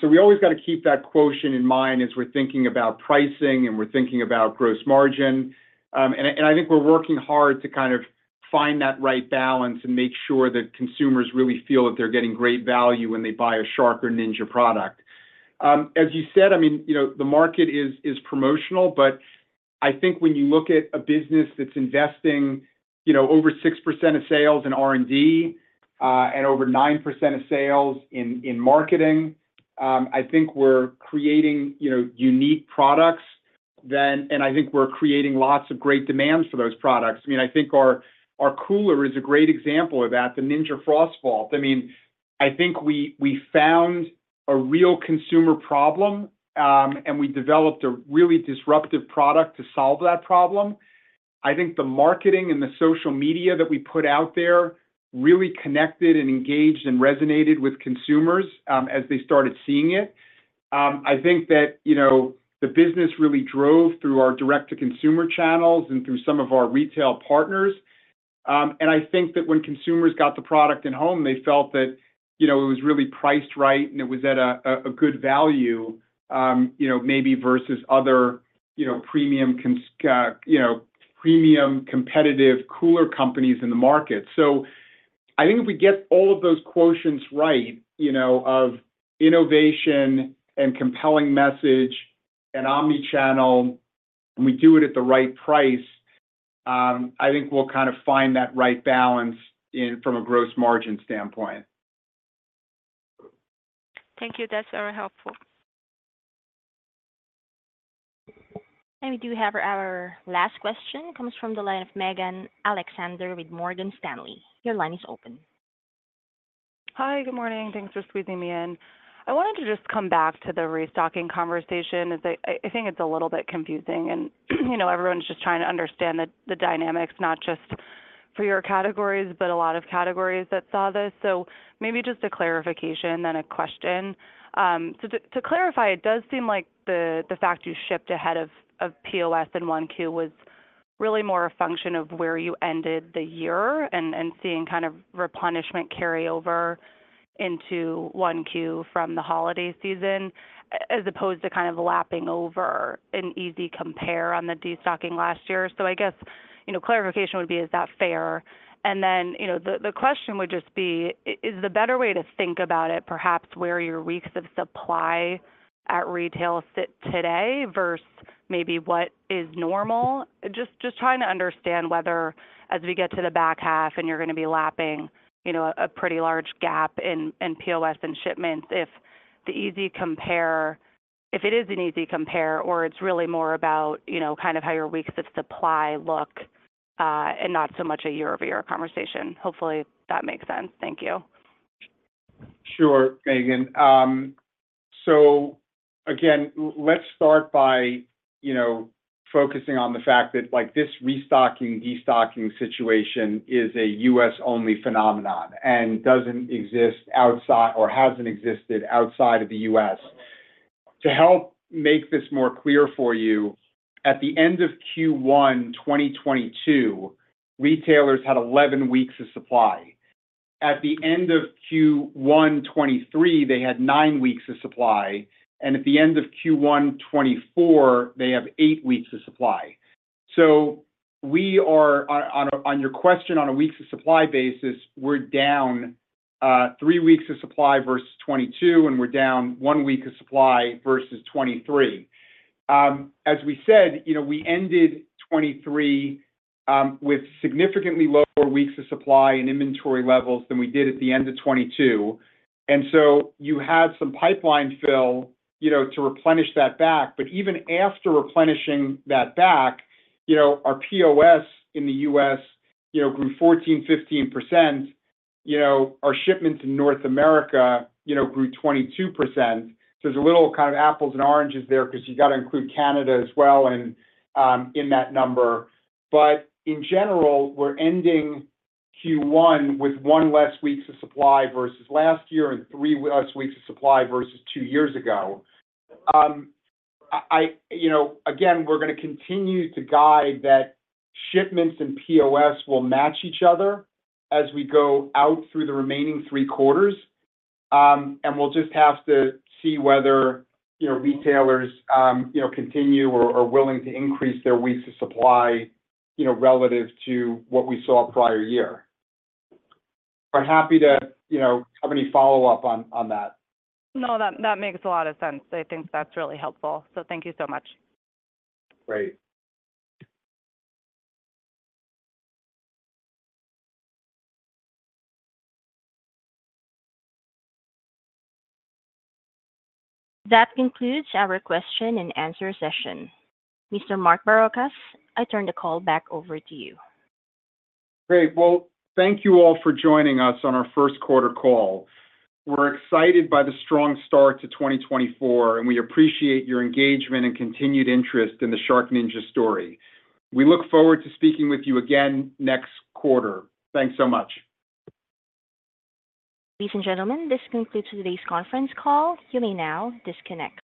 so we always got to keep that quotient in mind as we're thinking about pricing, and we're thinking about gross margin. And I, and I think we're working hard to kind of find that right balance and make sure that consumers really feel that they're getting great value when they buy a Shark or Ninja product. As you said, I mean, you know, the market is promotional, but I think when you look at a business that's investing, you know, over 6% of sales in R&D, and over 9% of sales in marketing, I think we're creating, you know, unique products then, and I think we're creating lots of great demands for those products. I mean, I think our cooler is a great example of that, the Ninja FrostVault. I mean, I think we found a real consumer problem, and we developed a really disruptive product to solve that problem. I think the marketing and the social media that we put out there really connected and engaged, and resonated with consumers, as they started seeing it. I think that, you know, the business really drove through our direct-to-consumer channels and through some of our retail partners. And I think that when consumers got the product at home, they felt that, you know, it was really priced right, and it was at a good value, you know, maybe versus other, you know, premium, competitive cooler companies in the market. So I think if we get all of those quotients right, you know, of innovation and compelling message and omni-channel, and we do it at the right price, I think we'll kind of find that right balance in... from a gross margin standpoint. Thank you. That's very helpful. We do have our last question. Comes from the line of Megan Alexander with Morgan Stanley. Your line is open. Hi, good morning. Thanks for squeezing me in. I wanted to just come back to the restocking conversation, as I think it's a little bit confusing, and, you know, everyone's just trying to understand the dynamics, not just for your categories, but a lot of categories that saw this. So maybe just a clarification, then a question. So to clarify, it does seem like the fact you shipped ahead of POS in 1Q was really more a function of where you ended the year and seeing kind of replenishment carry over into 1Q from the holiday season, as opposed to kind of lapping over an easy compare on the destocking last year. So I guess, you know, clarification would be, is that fair? And then, you know, the question would just be: Is the better way to think about it, perhaps where your weeks of supply at retail sit today versus maybe what is normal? Just trying to understand whether, as we get to the back half, and you're gonna be lapping, you know, a pretty large gap in POS and shipments, if the easy compare... If it is an easy compare or it's really more about, you know, kind of how your weeks of supply look, and not so much a YoY conversation. Hopefully, that makes sense. Thank you. Sure, Megan. So again, let's start by, you know, focusing on the fact that, like, this restocking, destocking situation is a U.S.-only phenomenon, and doesn't exist outside or hasn't existed outside of the U.S. To help make this more clear for you, at the end of Q1 2022, retailers had 11 weeks of supply. At the end of Q1 2023, they had 9 weeks of supply, and at the end of Q1 2024, they have 8 weeks of supply. So we are on your question, on a weeks of supply basis, we're down, 3 weeks of supply versus 2022, and we're down 1 week of supply versus 2023. As we said, you know, we ended 2023 with significantly lower weeks of supply and inventory levels than we did at the end of 2022, and so you had some pipeline fill, you know, to replenish that back. But even after replenishing that back, you know, our POS in the U.S., you know, grew 14%-15%. You know, our shipments in North America, you know, grew 22%. There's a little kind of apples and oranges there because you've got to include Canada as well in that number. But in general, we're ending Q1 with one less weeks of supply versus last year and 3 weeks of supply versus two years ago. I, you know, again, we're gonna continue to guide that shipments and POS will match each other as we go out through the remaining three quarters. We'll just have to see whether, you know, retailers, you know, continue or are willing to increase their weeks of supply, you know, relative to what we saw prior year. We're happy to, you know, have any follow-up on that. No, that makes a lot of sense. I think that's really helpful, so thank you so much. Great. That concludes our question and answer session. Mr. Mark Barrocas, I turn the call back over to you. Great. Well, thank you all for joining us on our first quarter call. We're excited by the strong start to 2024, and we appreciate your engagement and continued interest in the SharkNinja story. We look forward to speaking with you again next quarter. Thanks so much. Ladies and gentlemen, this concludes today's conference call. You may now disconnect.